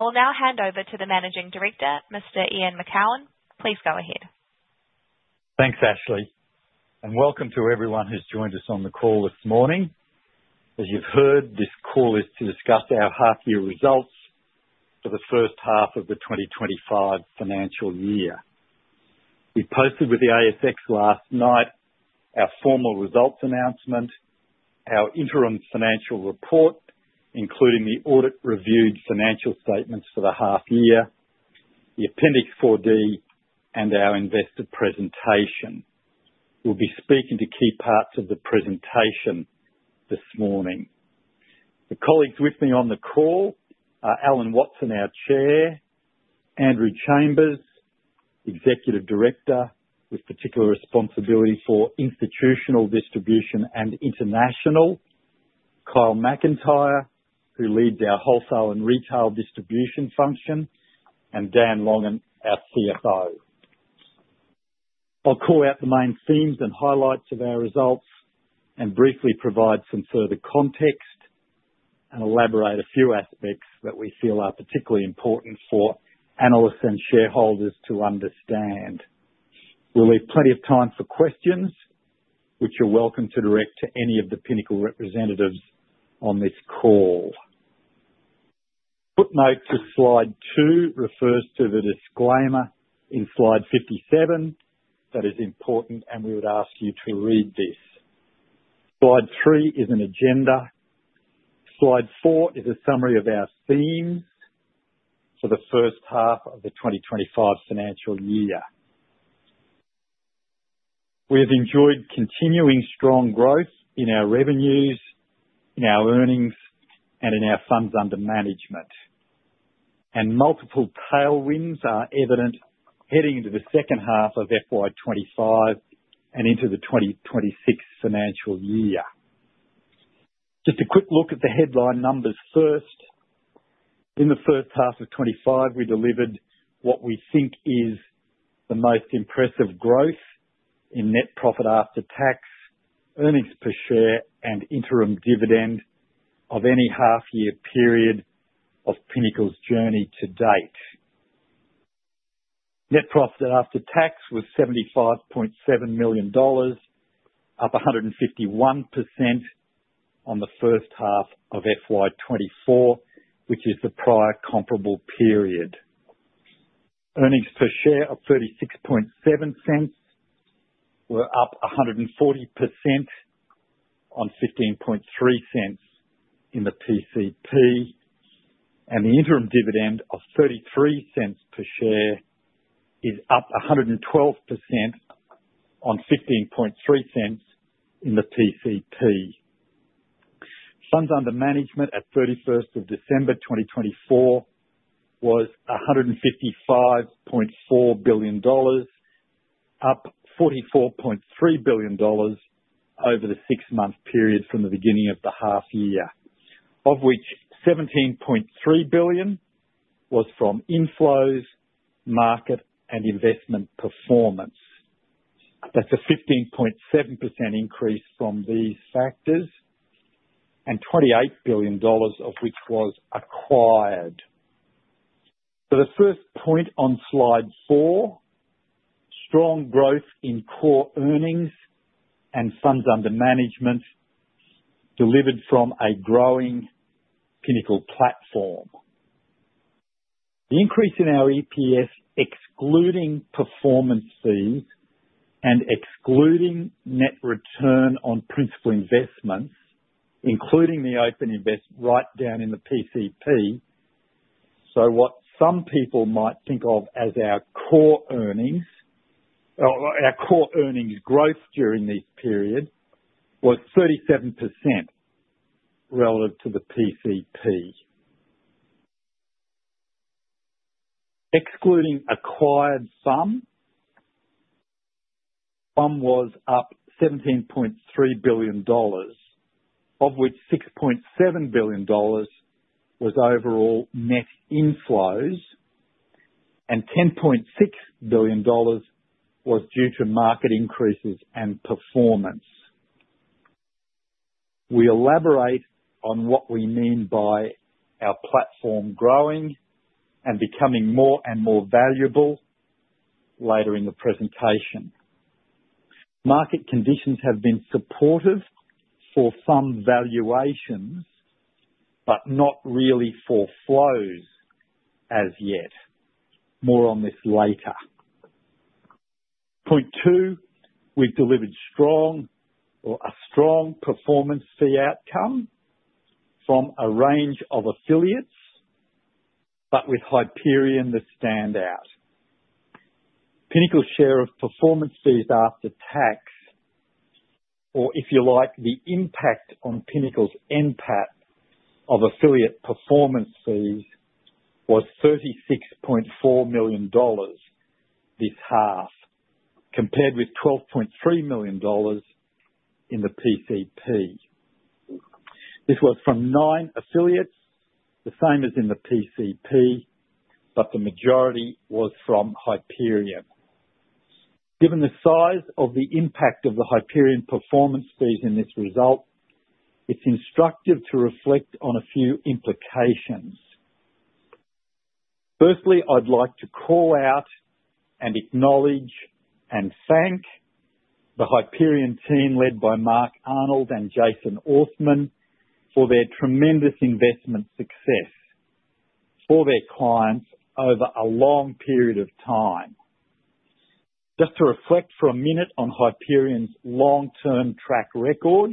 I'll now hand over to the Managing Director, Mr. Ian Macoun. Please go ahead. Thanks, Ashley, and welcome to everyone who's joined us on the call this morning. As you've heard, this call is to discuss our half-year results for the first half of the 2025 financial year. We posted with the ASX last night our formal results announcement, our interim financial report, including the audit-reviewed financial statements for the half-year, the Appendix 4D, and our investor presentation. We'll be speaking to key parts of the presentation this morning. The colleagues with me on the call are Alan Watson, our Chair, Andrew Chambers, Executive Director with particular responsibility for institutional distribution and international, Kyle Macintyre, who leads our wholesale and retail distribution function, and Dan Longan, our CFO. I'll call out the main themes and highlights of our results and briefly provide some further context and elaborate a few aspects that we feel are particularly important for analysts and shareholders to understand. We'll leave plenty of time for questions, which you're welcome to direct to any of the Pinnacle representatives on this call. Footnote to slide two refers to the disclaimer in slide 57 that is important, and we would ask you to read this. Slide three is an agenda. Slide four is a summary of our themes for the first half of the 2025 financial year. We have enjoyed continuing strong growth in our revenues, in our earnings, and in our funds under management, and multiple tailwinds are evident heading into the second half of FY2025 and into the 2026 financial year. Just a quick look at the headline numbers first. In the first half of 2025, we delivered what we think is the most impressive growth in net profit after tax, earnings per share, and interim dividend of any half-year period of Pinnacle's journey to date. Net profit after tax was $75.7 million, up 151% on the first half of FY2024, which is the prior comparable period. Earnings per share of $0.367 were up 140% on $0.153 in the PCP, and the interim dividend of $0.33 per share is up 112% on $0.153 in the PCP. Funds under management at 31st of December 2024 was $155.4 billion, up $44.3 billion over the six-month period from the beginning of the half-year, of which $17.3 billion was from inflows, market, and investment performance. That's a 15.7% increase from these factors, and $28 billion of which was acquired. For the first point on slide four, strong growth in core earnings and funds under management delivered from a growing Pinnacle platform. The increase in our EPS, excluding performance fees and excluding net return on principal investments, including the OpenInvest write-down in the PCP, so what some people might think of as our core earnings, our core earnings growth during this period, was 37% relative to the PCP. Excluding acquired funds, funds was up $17.3 billion, of which $6.7 billion was overall net inflows, and $10.6 billion was due to market increases and performance. We elaborate on what we mean by our platform growing and becoming more and more valuable later in the presentation. Market conditions have been supportive for some valuations, but not really for flows as yet. More on this later. Point two, we've delivered strong, or a strong performance fee outcome from a range of affiliates, but with Hyperion a standout. Pinnacle's share of performance fees after tax, or if you like, the impact on Pinnacle's impact of affiliate performance fees was $36.4 million this half, compared with $12.3 million in the PCP. This was from nine affiliates, the same as in the PCP, but the majority was from Hyperion. Given the size of the impact of the Hyperion performance fees in this result, it's instructive to reflect on a few implications. Firstly, I'd like to call out and acknowledge and thank the Hyperion team led by Mark Arnold and Jason Orthman for their tremendous investment success for their clients over a long period of time. Just to reflect for a minute on Hyperion's long-term track record,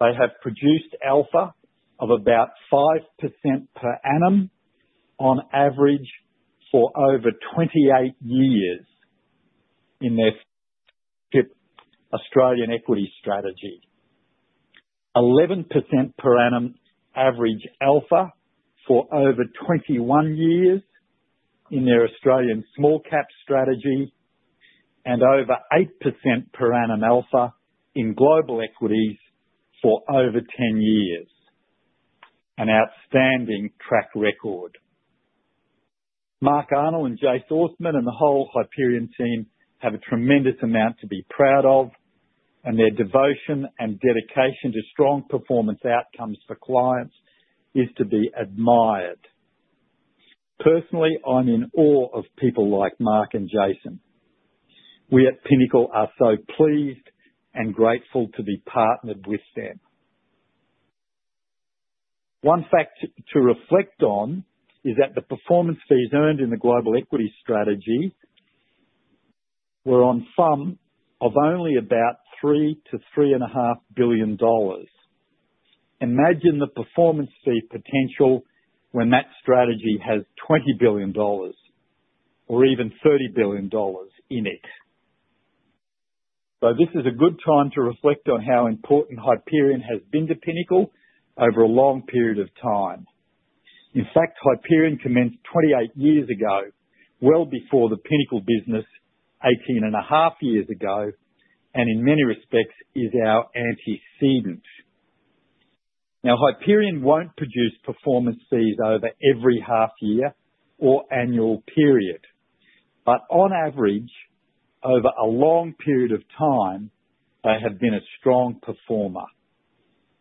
they have produced alpha of about 5% per annum on average for over 28 years in their Australian equity strategy, 11% per annum average alpha for over 21 years in their Australian small-cap strategy, and over 8% per annum alpha in global equities for over 10 years. An outstanding track record. Mark Arnold and Jason Orthman and the whole Hyperion team have a tremendous amount to be proud of, and their devotion and dedication to strong performance outcomes for clients is to be admired. Personally, I'm in awe of people like Mark and Jason. We at Pinnacle are so pleased and grateful to be partnered with them. One fact to reflect on is that the performance fees earned in the global equity strategy were on FUM of only about $3 billion-$3.5 billion. Imagine the performance fee potential when that strategy has $20 billion or even $30 billion in it. So this is a good time to reflect on how important Hyperion has been to Pinnacle over a long period of time. In fact, Hyperion commenced 28 years ago, well before the Pinnacle business, 18 and a half years ago, and in many respects is our antecedent. Now, Hyperion won't produce performance fees over every half-year or annual period, but on average, over a long period of time, they have been a strong performer.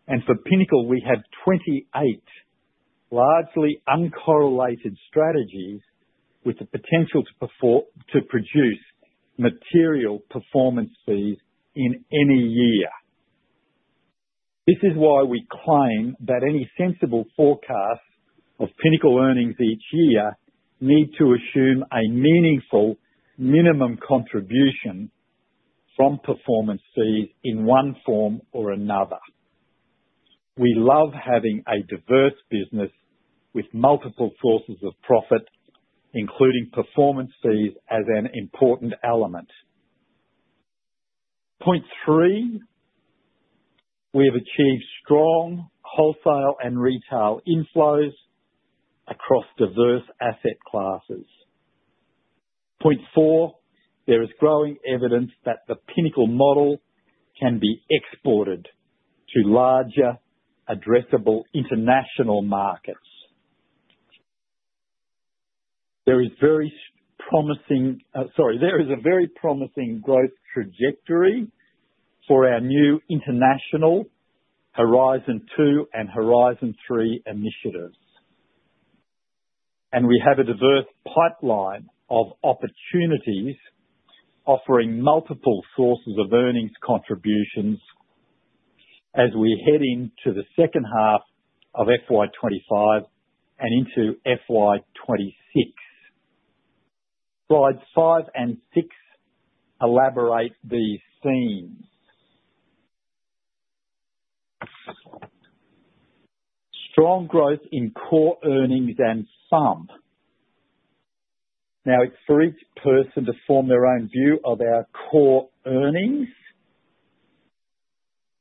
And for Pinnacle, we have 28 largely uncorrelated strategies with the potential to produce material performance fees in any year. This is why we claim that any sensible forecast of Pinnacle earnings each year need to assume a meaningful minimum contribution from performance fees in one form or another. We love having a diverse business with multiple sources of profit, including performance fees as an important element. Point three, we have achieved strong wholesale and retail inflows across diverse asset classes. Point four, there is growing evidence that the Pinnacle model can be exported to larger, addressable international markets. There is very promising—sorry, there is a very promising growth trajectory for our new international Horizon 2 and Horizon 3 initiatives, and we have a diverse pipeline of opportunities offering multiple sources of earnings contributions as we head into the second half of FY2025 and into FY2026. Slides five and six elaborate these themes. Strong growth in core earnings and FUM. Now, it's for each person to form their own view of our core earnings,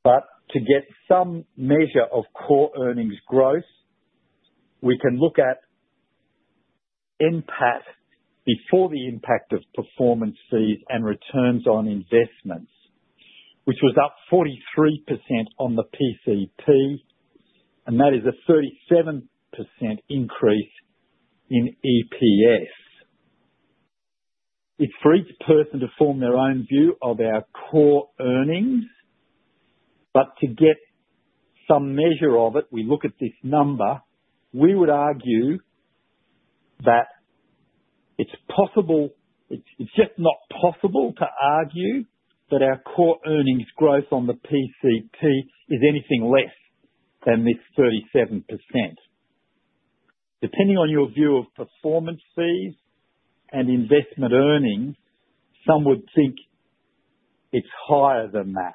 but to get some measure of core earnings growth, we can look at impact before the impact of performance fees and returns on investments, which was up 43% on the PCP, and that is a 37% increase in EPS. It's for each person to form their own view of our core earnings, but to get some measure of it, we look at this number. We would argue that it's possible, it's just not possible to argue that our core earnings growth on the PCP is anything less than this 37%. Depending on your view of performance fees and investment earnings, some would think it's higher than that.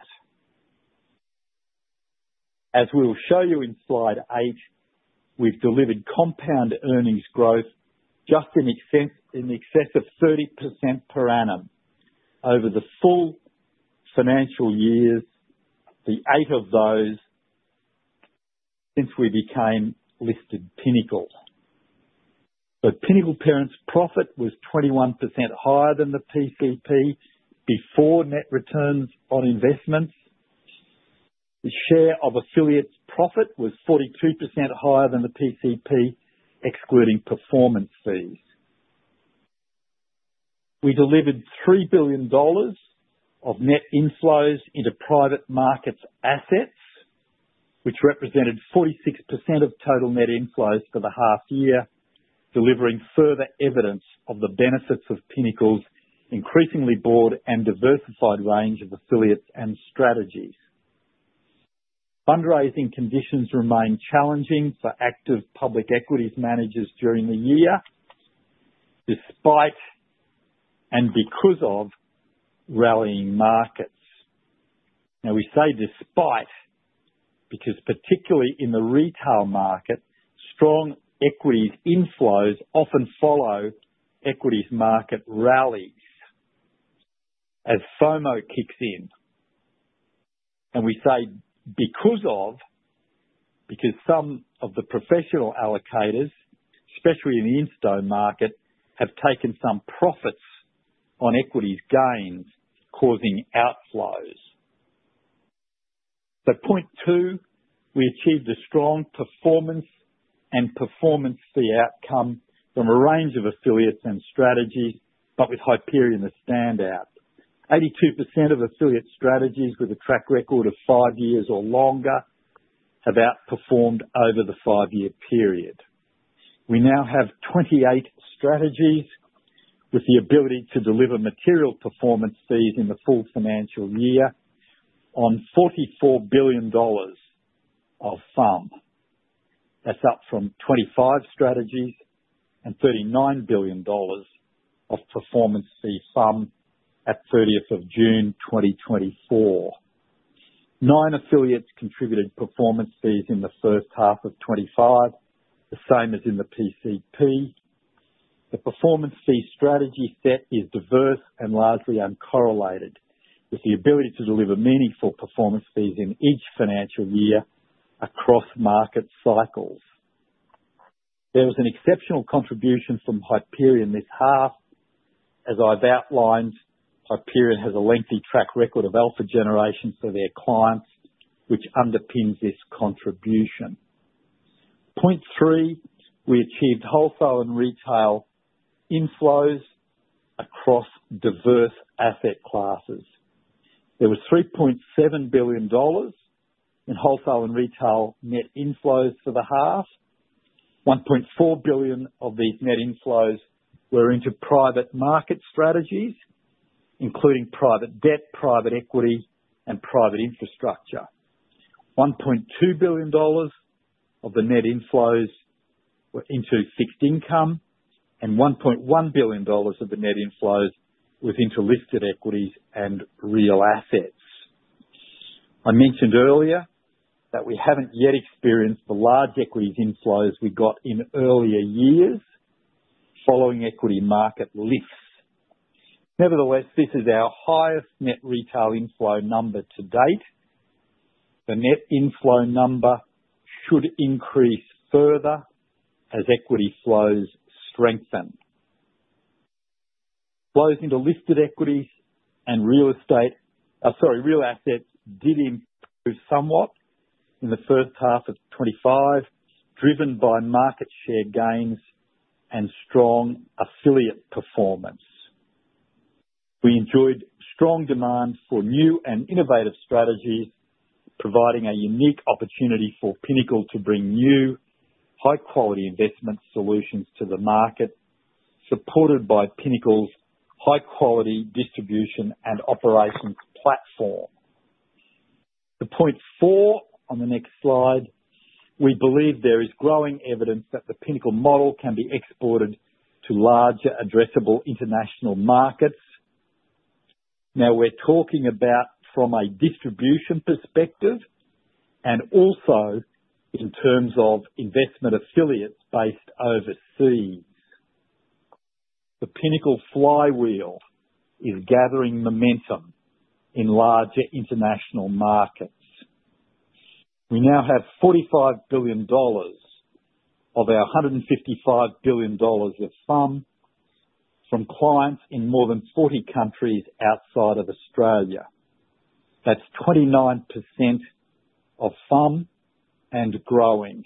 As we'll show you in slide eight, we've delivered compound earnings growth just in excess of 30% per annum over the full financial years, the eight of those since we became listed Pinnacle. The Pinnacle Parent's profit was 21% higher than the PCP before net returns on investments. The share of affiliates' profit was 42% higher than the PCP, excluding performance fees. We delivered $3 billion of net inflows into private markets assets, which represented 46% of total net inflows for the half-year, delivering further evidence of the benefits of Pinnacle's increasingly broad and diversified range of affiliates and strategies. Fundraising conditions remain challenging for active public equities managers during the year, despite and because of rallying markets. Now, we say despite because, particularly in the retail market, strong equities inflows often follow equities market rallies as FOMO kicks in. We say because of some of the professional allocators, especially in the insto market, have taken some profits on equities gains, causing outflows. Point two, we achieved a strong performance and performance fee outcome from a range of affiliates and strategies, but with Hyperion standing out. 82% of affiliate strategies with a track record of five years or longer have outperformed over the five-year period. We now have 28 strategies with the ability to deliver material performance fees in the full financial year on $44 billion of FUM. That's up from 25 strategies and $39 billion of performance fee FUM at 30th of June 2024. Nine affiliates contributed performance fees in the first half of 2025, the same as in the PCP. The performance fee strategy set is diverse and largely uncorrelated, with the ability to deliver meaningful performance fees in each financial year across market cycles. There was an exceptional contribution from Hyperion this half. As I've outlined, Hyperion has a lengthy track record of alpha generation for their clients, which underpins this contribution. Point three, we achieved wholesale and retail inflows across diverse asset classes. There was $3.7 billion in wholesale and retail net inflows for the half. $1.4 billion of these net inflows were into private market strategies, including private debt, private equity, and private infrastructure. $1.2 billion of the net inflows were into fixed income, and $1.1 billion of the net inflows was into listed equities and real assets. I mentioned earlier that we haven't yet experienced the large equities inflows we got in earlier years following equity market lifts. Nevertheless, this is our highest net retail inflow number to date. The net inflow number should increase further as equity flows strengthen. Flows into listed equities and real estate, sorry, real assets, did improve somewhat in the first half of 2025, driven by market share gains and strong affiliate performance. We enjoyed strong demand for new and innovative strategies, providing a unique opportunity for Pinnacle to bring new high-quality investment solutions to the market, supported by Pinnacle's high-quality distribution and operations platform. To point four on the next slide, we believe there is growing evidence that the Pinnacle model can be exported to larger, addressable international markets. Now, we're talking about from a distribution perspective and also in terms of investment affiliates based overseas. The Pinnacle flywheel is gathering momentum in larger international markets. We now have $45 billion of our $155 billion of FUM from clients in more than 40 countries outside of Australia. That's 29% of FUM and growing.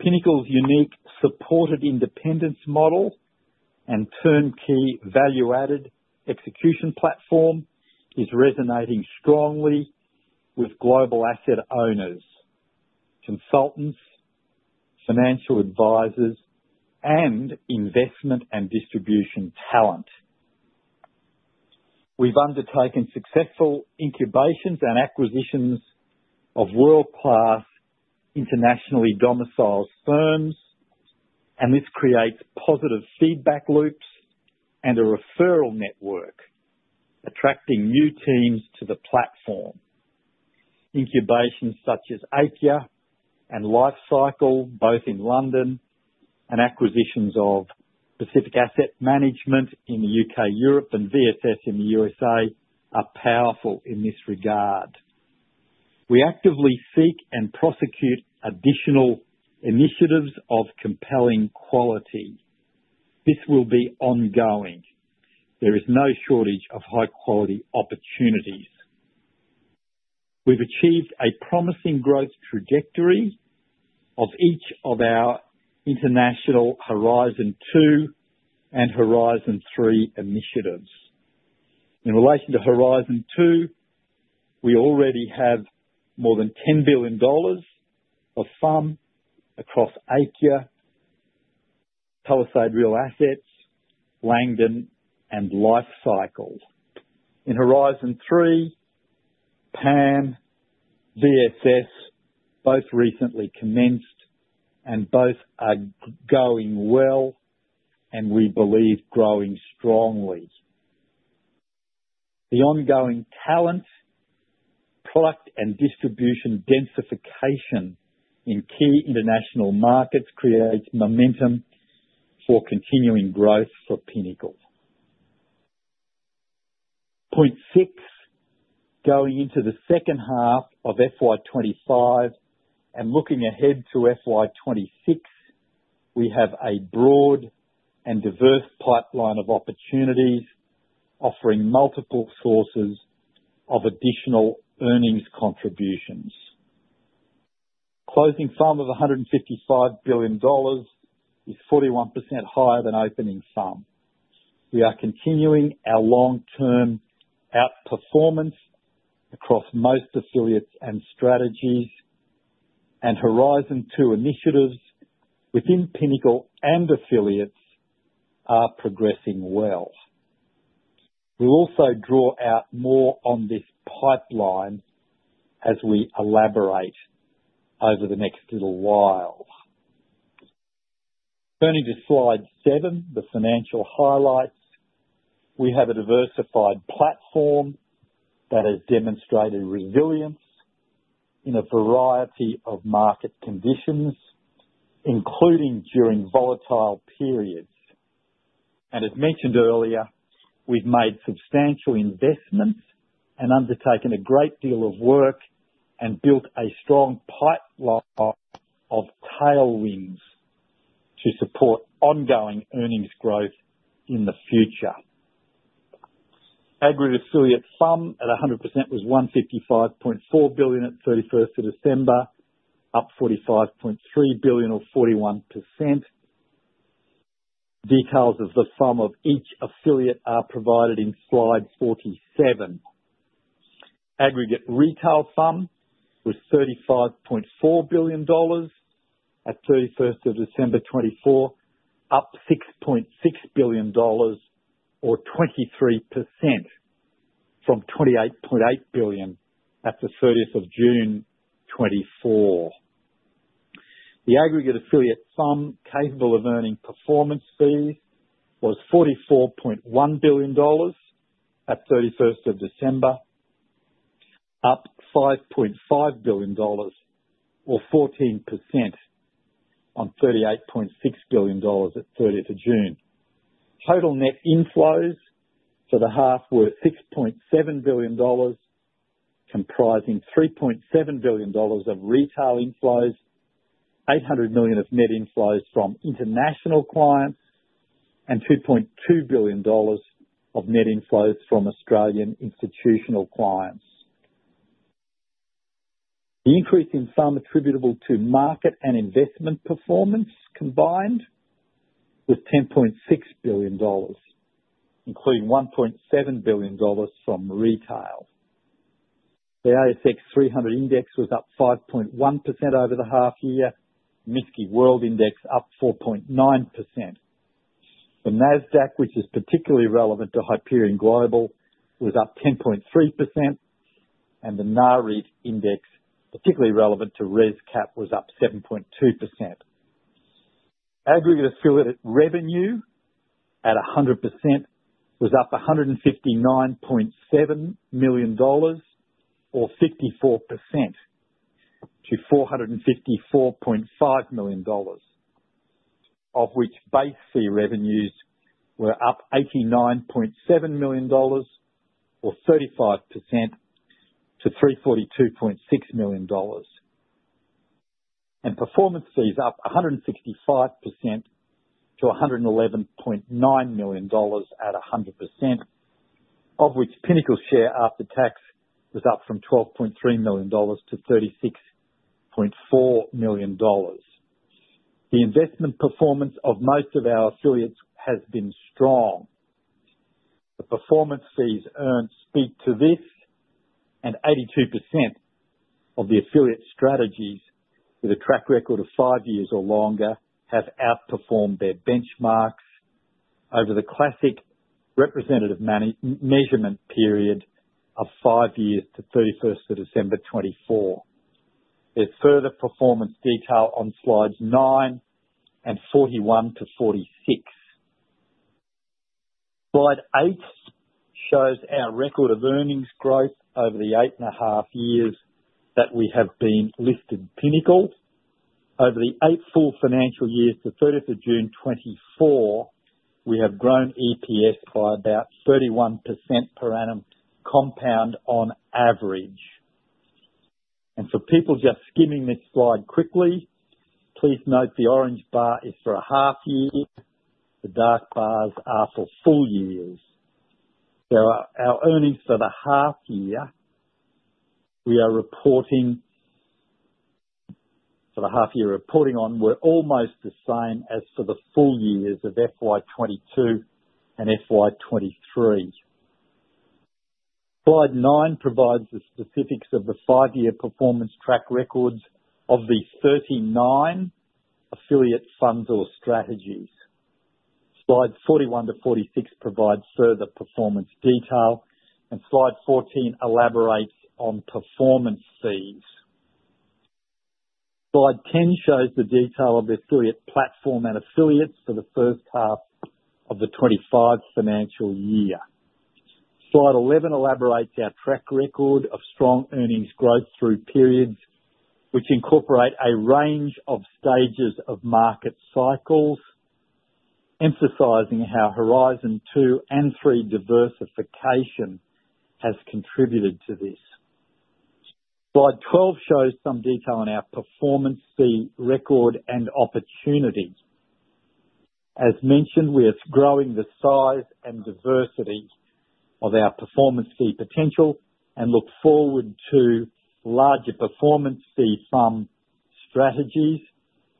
Pinnacle's unique supported independence model and turnkey value-added execution platform is resonating strongly with global asset owners, consultants, financial advisors, and investment and distribution talent. We've undertaken successful incubations and acquisitions of world-class internationally domiciled firms, and this creates positive feedback loops and a referral network, attracting new teams to the platform. Incubations such as Aikya and Life Cycle, both in London, and acquisitions of Pacific Asset Management in the UK, Europe, and VSS in the USA are powerful in this regard. We actively seek and prosecute additional initiatives of compelling quality. This will be ongoing. There is no shortage of high-quality opportunities. We've achieved a promising growth trajectory of each of our international Horizon 2 and Horizon 3 initiatives. In relation to Horizon 2, we already have more than $10 billion of FUM across Aikya, Palisade Real Assets, Langdon, and Life Cycle. In Horizon 3, PAM, VSS, both recently commenced, and both are going well, and we believe growing strongly. The ongoing talent, product, and distribution densification in key international markets creates momentum for continuing growth for Pinnacle. Point six, going into the second half of FY2025 and looking ahead to FY2026, we have a broad and diverse pipeline of opportunities offering multiple sources of additional earnings contributions. Closing FUM of $155 billion is 41% higher than opening FUM. We are continuing our long-term outperformance across most affiliates and strategies, and Horizon 2 initiatives within Pinnacle and affiliates are progressing well. We'll also draw out more on this pipeline as we elaborate over the next little while. Turning to slide seven, the financial highlights, we have a diversified platform that has demonstrated resilience in a variety of market conditions, including during volatile periods, and as mentioned earlier, we've made substantial investments and undertaken a great deal of work and built a strong pipeline of tailwinds to support ongoing earnings growth in the future. Aggregate affiliate FUM at 100% was $155.4 billion at 31st of December, up $45.3 billion, or 41%. Details of the FUM of each affiliate are provided in slide 47. Aggregate retail FUM was $35.4 billion at 31st of December 2024, up $6.6 billion, or 23%, from $28.8 billion at the 30th of June 2024. The aggregate affiliate FUM capable of earning performance fees was $44.1 billion at 31st of December, up $5.5 billion, or 14%, on $38.6 billion at 30th of June. Total net inflows for the half were $6.7 billion, comprising $3.7 billion of retail inflows, $800 million of net inflows from international clients, and $2.2 billion of net inflows from Australian institutional clients. The increase in FUM attributable to market and investment performance combined was $10.6 billion, including $1.7 billion from retail. The ASX 300 Index was up 5.1% over the half-year, the MSCI World Index up 4.9%. The Nasdaq, which is particularly relevant to Hyperion Global, was up 10.3%, and the Nareit Index, particularly relevant to ResCap, was up 7.2%. Aggregate affiliate revenue at 100% was up $159.7 million, or 54%, to $454.5 million, of which base fee revenues were up $89.7 million, or 35%, to $342.6 million, and performance fees up 165% to $111.9 million at 100%, of which Pinnacle's share after tax was up from $12.3 million to $36.4 million. The investment performance of most of our affiliates has been strong. The performance fees earned speak to this, and 82% of the affiliate strategies with a track record of five years or longer have outperformed their benchmarks over the classic representative measurement period of five years to 31st of December 2024. There's further performance detail on slides nine and 41- 46. Slide eight shows our record of earnings growth over the eight and a half years that we have been listed Pinnacle. Over the eight full financial years to 30th of June 2024, we have grown EPS by about 31% per annum compound on average, and for people just skimming this slide quickly, please note the orange bar is for a half-year. The dark bars are for full years. Our earnings for the half-year we are reporting for the half-year reporting on were almost the same as for the full years of FY2022 and FY2023. Slide nine provides the specifics of the five-year performance track records of the 39 affiliate funds or strategies. Slides 4-46 provide further performance detail, and slide 14 elaborates on performance fees. Slide 10 shows the detail of the affiliate platform and affiliates for the first half of the 2025 financial year. Slide 11 elaborates our track record of strong earnings growth through periods which incorporate a range of stages of market cycles, emphasizing how Horizon 2 and 3 diversification has contributed to this. Slide 12 shows some detail on our performance fee record and opportunity. As mentioned, we are growing the size and diversity of our performance fee potential and look forward to larger performance fee FUM strategies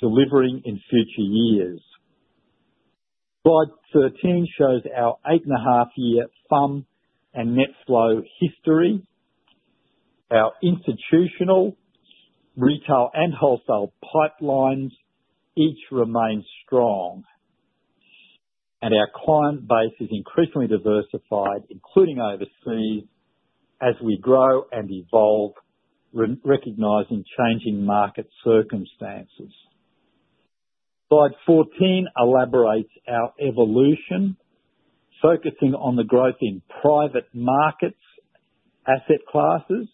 delivering in future years. Slide 13 shows our eight and a half-year FUM and net flow history. Our institutional, retail, and wholesale pipelines each remain strong, and our client base is increasingly diversified, including overseas, as we grow and evolve, recognizing changing market circumstances. Slide 14 elaborates our evolution, focusing on the growth in private markets, asset classes,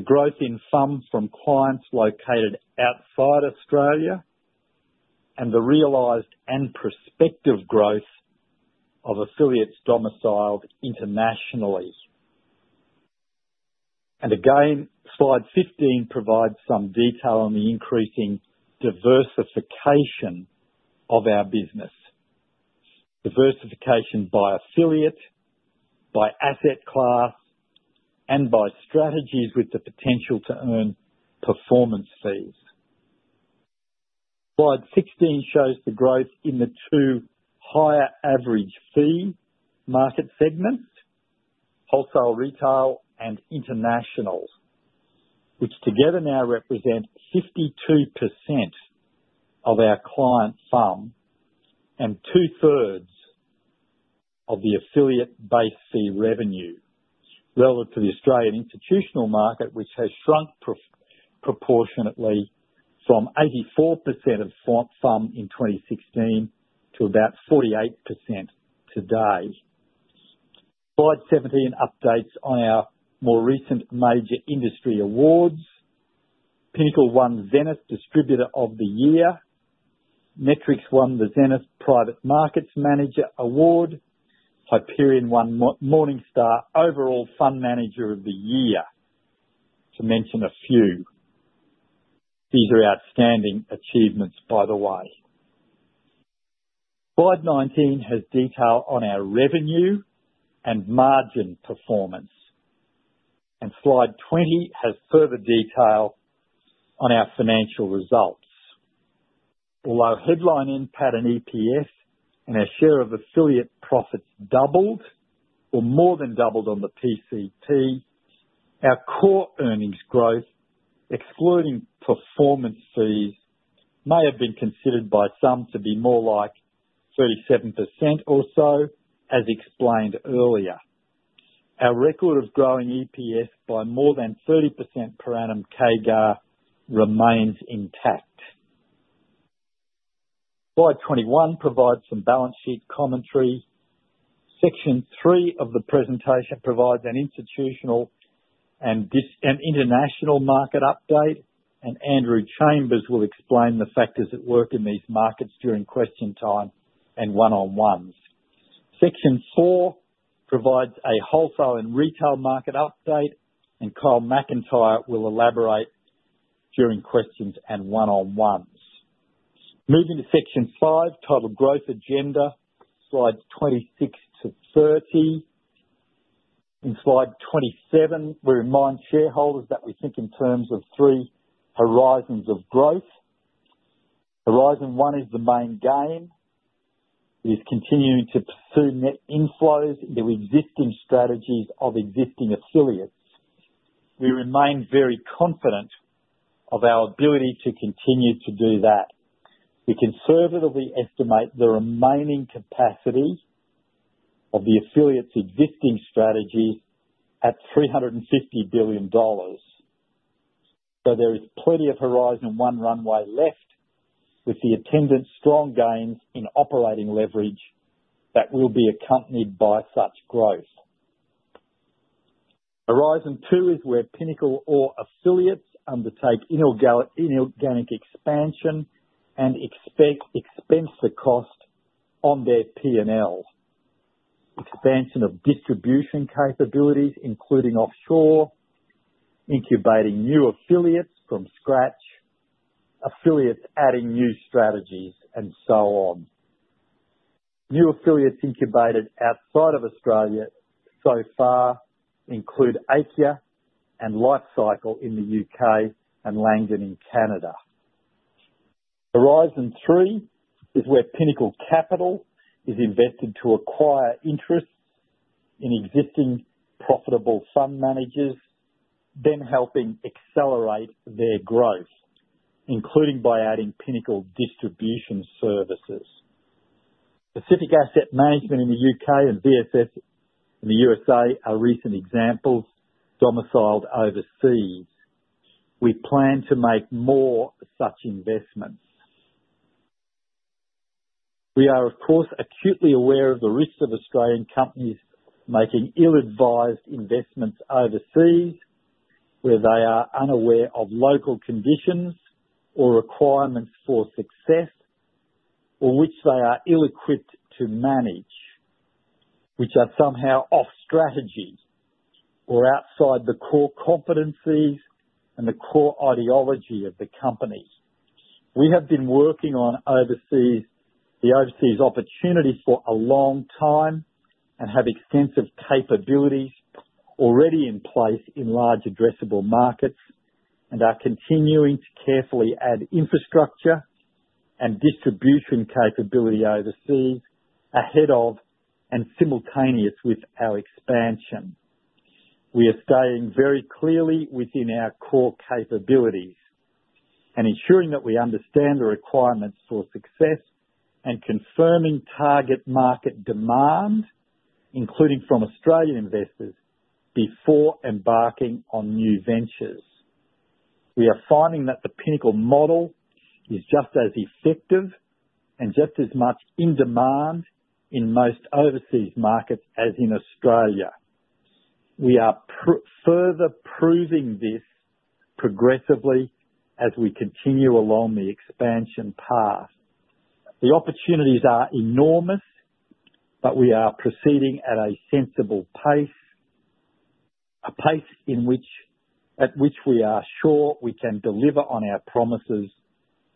the growth in FUM from clients located outside Australia, and the realized and prospective growth of affiliates domiciled internationally, and again, slide 15 provides some detail on the increasing diversification of our business, diversification by affiliate, by asset class, and by strategies with the potential to earn performance fees. Slide 16 shows the growth in the two higher average fee market segments, wholesale retail and international, which together now represent 52% of our client FUM and two-thirds of the affiliate base fee revenue, relative to the Australian institutional market, which has shrunk proportionately from 84% of FUM in 2016 to about 48% today. Slide 17 updates on our more recent major industry awards. Pinnacle won Zenith Distributor of the Year. Metrics won the Zenith Private Markets Manager Award. Hyperion won Morningstar Overall Fund Manager of the Year, to mention a few. These are outstanding achievements, by the way. Slide 19 has detail on our revenue and margin performance, and slide 20 has further detail on our financial results. Although headline impact on EPS and our share of affiliate profits doubled or more than doubled on the PCP, our core earnings growth, excluding performance fees, may have been considered by some to be more like 37% or so, as explained earlier. Our record of growing EPS by more than 30% per annum CAGR remains intact. Slide 21 provides some balance sheet commentary. Section three of the presentation provides an institutional and international market update, and Andrew Chambers will explain the factors at work in these markets during question time and one-on-ones. Section four provides a wholesale and retail market update, and Kyle Macintyre will elaborate during questions and one-on-ones. Moving to section five, titled Growth Agenda, slides 26 to 30. In slide 27, we remind shareholders that we think in terms of three horizons of growth. Horizon 1 is the main gain. We are continuing to pursue net inflows into existing strategies of existing affiliates. We remain very confident of our ability to continue to do that. We conservatively estimate the remaining capacity of the affiliates' existing strategies at $350 billion. So there is plenty of Horizon 1 runway left, with the attendant strong gains in operating leverage that will be accompanied by such growth. Horizon 2 is where Pinnacle or affiliates undertake inorganic expansion and expense the cost on their P&L, expansion of distribution capabilities, including offshore, incubating new affiliates from scratch, affiliates adding new strategies, and so on. New affiliates incubated outside of Australia so far include Aikya and Life Cycle in the UK and Langdon in Canada. Horizon 3 is where Pinnacle capital is invested to acquire interests in existing profitable fund managers, then helping accelerate their growth, including by adding Pinnacle distribution services. Pacific Asset Management in the U.K. and VSS in the USA are recent examples domiciled overseas. We plan to make more such investments. We are, of course, acutely aware of the risks of Australian companies making ill-advised investments overseas, where they are unaware of local conditions or requirements for success, or which they are ill-equipped to manage, which are somehow off-strategy or outside the core competencies and the core ideology of the company. We have been working on the overseas opportunities for a long time and have extensive capabilities already in place in large addressable markets and are continuing to carefully add infrastructure and distribution capability overseas ahead of and simultaneous with our expansion. We are staying very clearly within our core capabilities and ensuring that we understand the requirements for success and confirming target market demand, including from Australian investors, before embarking on new ventures. We are finding that the Pinnacle model is just as effective and just as much in demand in most overseas markets as in Australia. We are further proving this progressively as we continue along the expansion path. The opportunities are enormous, but we are proceeding at a sensible pace, a pace at which we are sure we can deliver on our promises,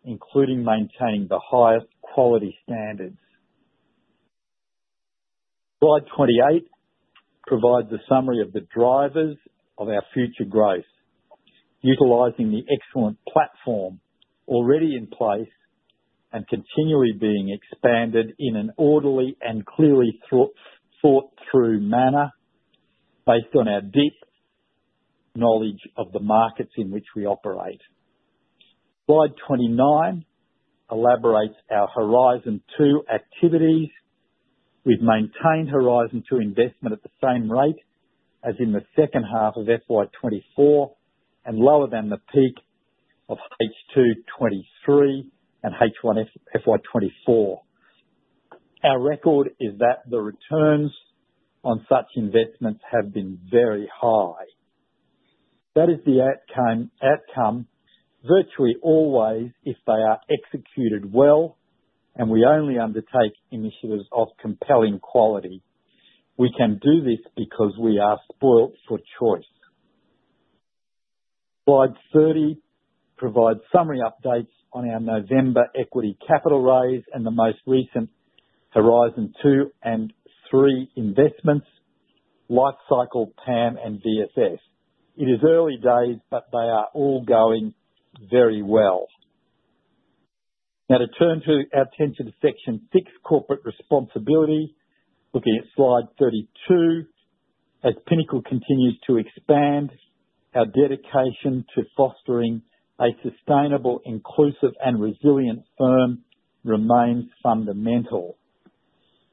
including maintaining the highest quality standards. Slide 28 provides a summary of the drivers of our future growth, utilizing the excellent platform already in place and continually being expanded in an orderly and clearly thought-through manner based on our deep knowledge of the markets in which we operate. Slide 29 elaborates our Horizon 2 activities. We've maintained Horizon 2 investment at the same rate as in the second half of FY2024 and lower than the peak of H2 2023 and FY 2024. Our record is that the returns on such investments have been very high. That is the outcome virtually always if they are executed well, and we only undertake initiatives of compelling quality. We can do this because we are spoiled for choice. Slide 30 provides summary updates on our November equity capital raise and the most recent Horizon 2 and 3 investments, Life Cycle, PAM, and VSS. It is early days, but they are all going very well. Now, to turn our attention to section six, corporate responsibility, looking at slide 32, as Pinnacle continues to expand, our dedication to fostering a sustainable, inclusive, and resilient firm remains fundamental.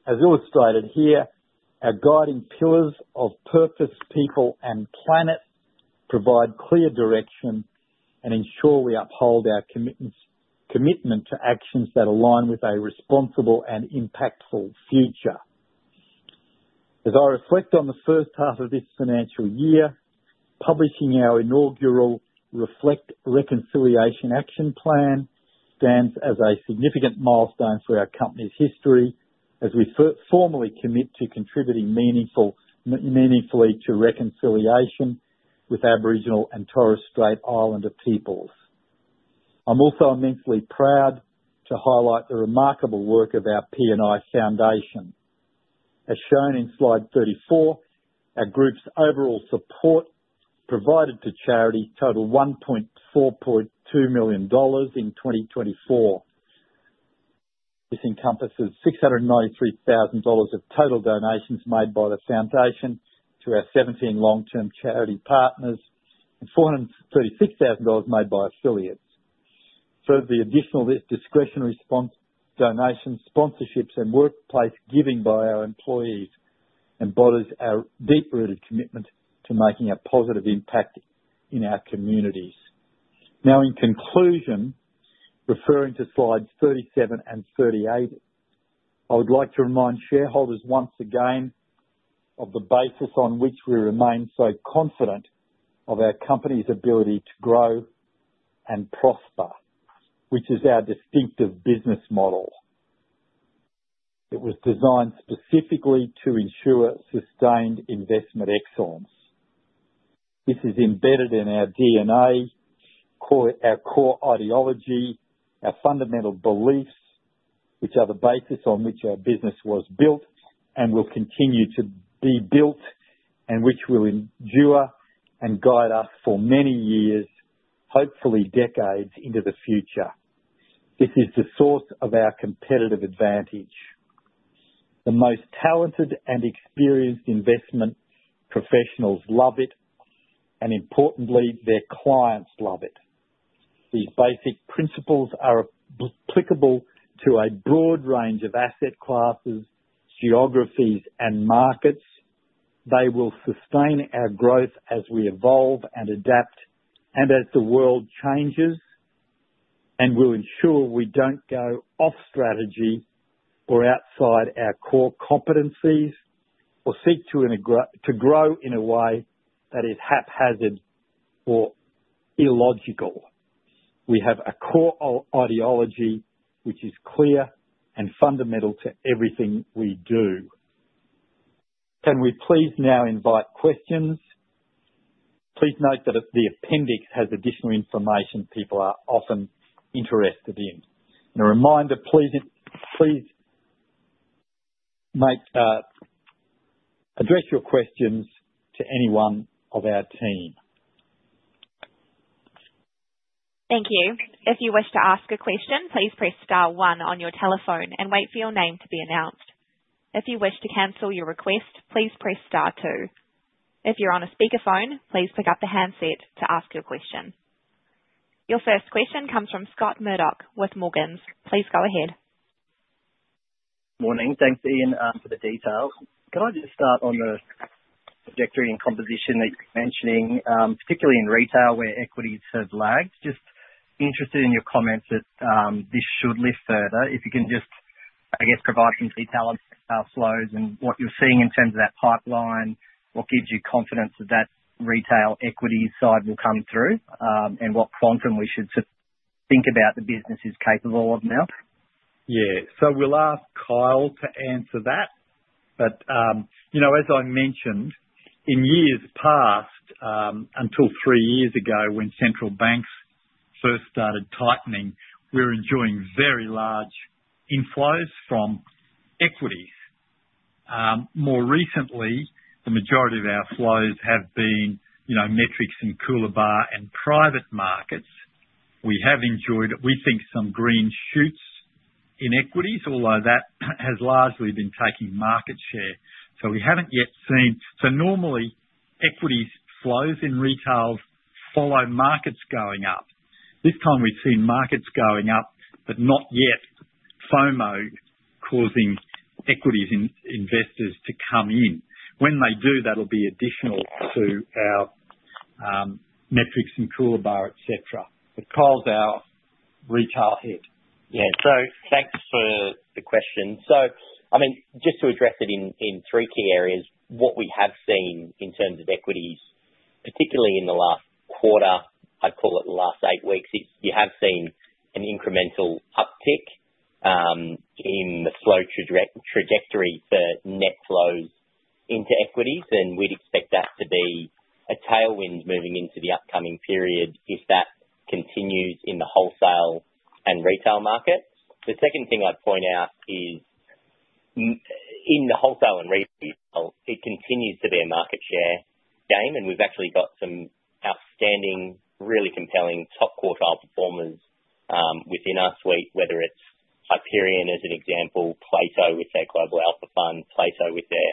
As illustrated here, our guiding pillars of purpose, people, and planet provide clear direction and ensure we uphold our commitment to actions that align with a responsible and impactful future. As I reflect on the first half of this financial year, publishing our inaugural Reconciliation Action Plan stands as a significant milestone for our company's history as we formally commit to contributing meaningfully to reconciliation with Aboriginal and Torres Strait Islander peoples. I'm also immensely proud to highlight the remarkable work of our Pinnacle Charitable Foundation. As shown in slide 34, our group's overall support provided to charity totaled $1.42 million in 2024. This encompasses $693,000 of total donations made by the foundation to our 17 long-term charity partners and $436,000 made by affiliates. Further, the additional discretionary donations, sponsorships, and workplace giving by our employees embodies our deep-rooted commitment to making a positive impact in our communities. Now, in conclusion, referring to slides 37 and 38, I would like to remind shareholders once again of the basis on which we remain so confident of our company's ability to grow and prosper, which is our distinctive business model. It was designed specifically to ensure sustained investment excellence. This is embedded in our DNA, our core ideology, our fundamental beliefs, which are the basis on which our business was built and will continue to be built, and which will endure and guide us for many years, hopefully decades, into the future. This is the source of our competitive advantage. The most talented and experienced investment professionals love it, and importantly, their clients love it. These basic principles are applicable to a broad range of asset classes, geographies, and markets. They will sustain our growth as we evolve and adapt and as the world changes, and will ensure we don't go off-strategy or outside our core competencies or seek to grow in a way that is haphazard or illogical. We have a core ideology which is clear and fundamental to everything we do. Can we please now invite questions? Please note that the appendix has additional information people are often interested in, and a reminder, please address your questions to anyone of our team. Thank you. If you wish to ask a question, please press star one on your telephone and wait for your name to be announced. If you wish to cancel your request, please press star two. If you're on a speakerphone, please pick up the handset to ask your question. Your first question comes from Scott Murdoch with Morgans. Please go ahead. Morning. Thanks, Ian, for the details. Can I just start on the trajectory and composition that you're mentioning, particularly in retail where equities have lagged? Just interested in your comments that this should lift further. If you can just, I guess, provide some detail on our flows and what you're seeing in terms of that pipeline, what gives you confidence that that retail equity side will come through, and what quantum we should think about the business is capable of now? Yeah. So we'll ask Kyle to answer that. But as I mentioned, in years past, until three years ago when central banks first started tightening, we were enjoying very large inflows from equities. More recently, the majority of our flows have been Metrics in Coolabah and private markets. We have enjoyed, we think, some green shoots in equities, although that has largely been taking market share. So we haven't yet seen. So normally, equities flows in retail follow markets going up. This time, we've seen markets going up, but not yet FOMO causing equities investors to come in. When they do, that'll be additional to our Metrics and Coolabah, etc. But Kyle's our retail head. Yeah. So thanks for the question. So I mean, just to address it in three key areas, what we have seen in terms of equities, particularly in the last quarter, I'd call it the last eight weeks, is you have seen an incremental uptick in the flow trajectory for net flows into equities, and we'd expect that to be a tailwind moving into the upcoming period if that continues in the wholesale and retail markets. The second thing I'd point out is in the wholesale and retail, it continues to be a market share game, and we've actually got some outstanding, really compelling top quartile performers within our suite, whether it's Hyperion as an example, Plato with their Global Alpha Fund, Plato with their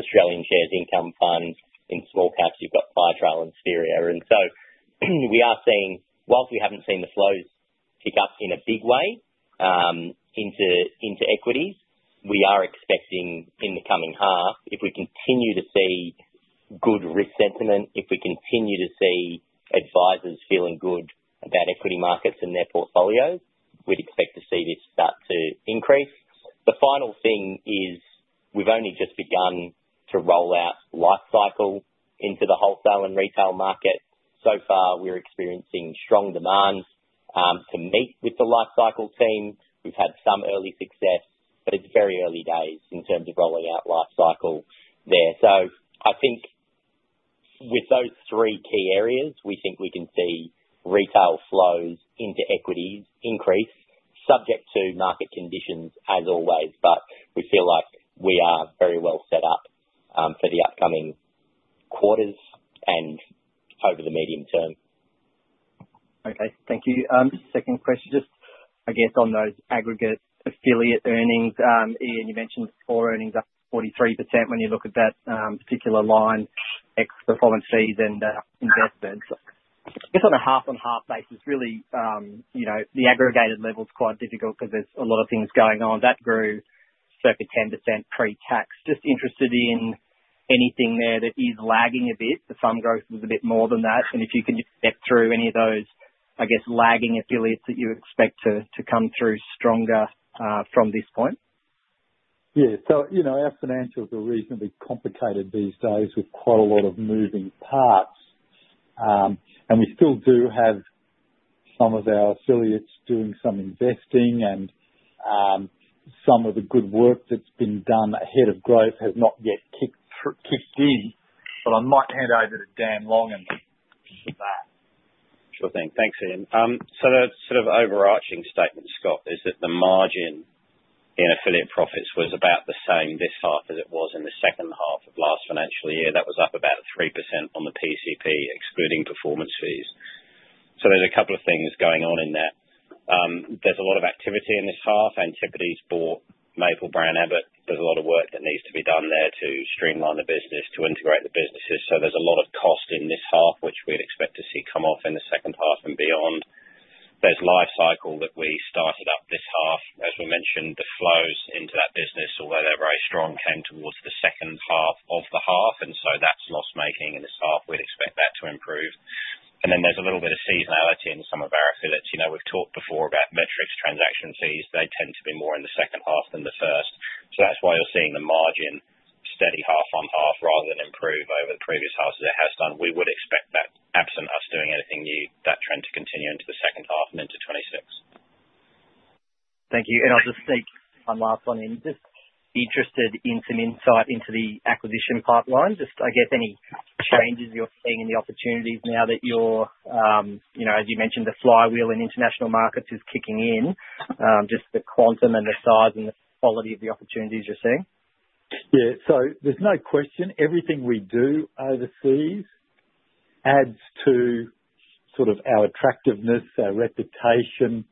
Australian Shares Income Fund, in small caps, you've got Firetrail and Spheria, and so we are seeing, while we haven't seen the flows pick up in a big way into equities, we are expecting in the coming half, if we continue to see good risk sentiment, if we continue to see advisors feeling good about equity markets and their portfolios, we'd expect to see this start to increase. The final thing is we've only just begun to roll out Life Cycle into the wholesale and retail market. So far, we're experiencing strong demand to meet with the Life Cycle team. We've had some early success, but it's very early days in terms of rolling out Life Cycle there. So I think with those three key areas, we think we can see retail flows into equities increase, subject to market conditions as always, but we feel like we are very well set up for the upcoming quarters and over the medium term. Okay. Thank you. Second question, just I guess on those aggregate affiliate earnings. Ian, you mentioned core earnings up to 43% when you look at that particular line, ex performance fees and investments. I guess on a half-on-half basis, really, the aggregated level's quite difficult because there's a lot of things going on. That grew circa 10% pre-tax. Just interested in anything there that is lagging a bit. The fund growth was a bit more than that. If you can just step through any of those, I guess, lagging affiliates that you expect to come through stronger from this point. Yeah. Our financials are reasonably complicated these days with quite a lot of moving parts. We still do have some of our affiliates doing some investing, and some of the good work that's been done ahead of growth has not yet kicked in. I might hand over to Dan Longan for that. Sure thing. Thanks, Ian. The sort of overarching statement, Scott, is that the margin in affiliate profits was about the same this half as it was in the second half of last financial year. That was up about 3% on the PCP, excluding performance fees. There's a couple of things going on in that. There's a lot of activity in this half. Antipodes bought Maple-Brown Abbott. There's a lot of work that needs to be done there to streamline the business, to integrate the businesses. So there's a lot of cost in this half, which we'd expect to see come off in the second half and beyond. There's Life Cycle that we started up this half. As we mentioned, the flows into that business, although they're very strong, came towards the second half of the half. And so that's loss-making in this half. We'd expect that to improve. And then there's a little bit of seasonality in some of our affiliates. We've talked before about Metrics, transaction fees. They tend to be more in the second half than the first. So that's why you're seeing the margin steady half-on-half rather than improve over the previous half as it has done. We would expect that, absent us doing anything new, that trend to continue into the second half and into 2026. Thank you, and I'll just take one last one. I'm just interested in some insight into the acquisition pipeline. Just, I guess, any changes you're seeing in the opportunities now that you're, as you mentioned, the flywheel in international markets is kicking in, just the quantum and the size and the quality of the opportunities you're seeing? Yeah, so there's no question. Everything we do overseas adds to sort of our attractiveness, our reputation,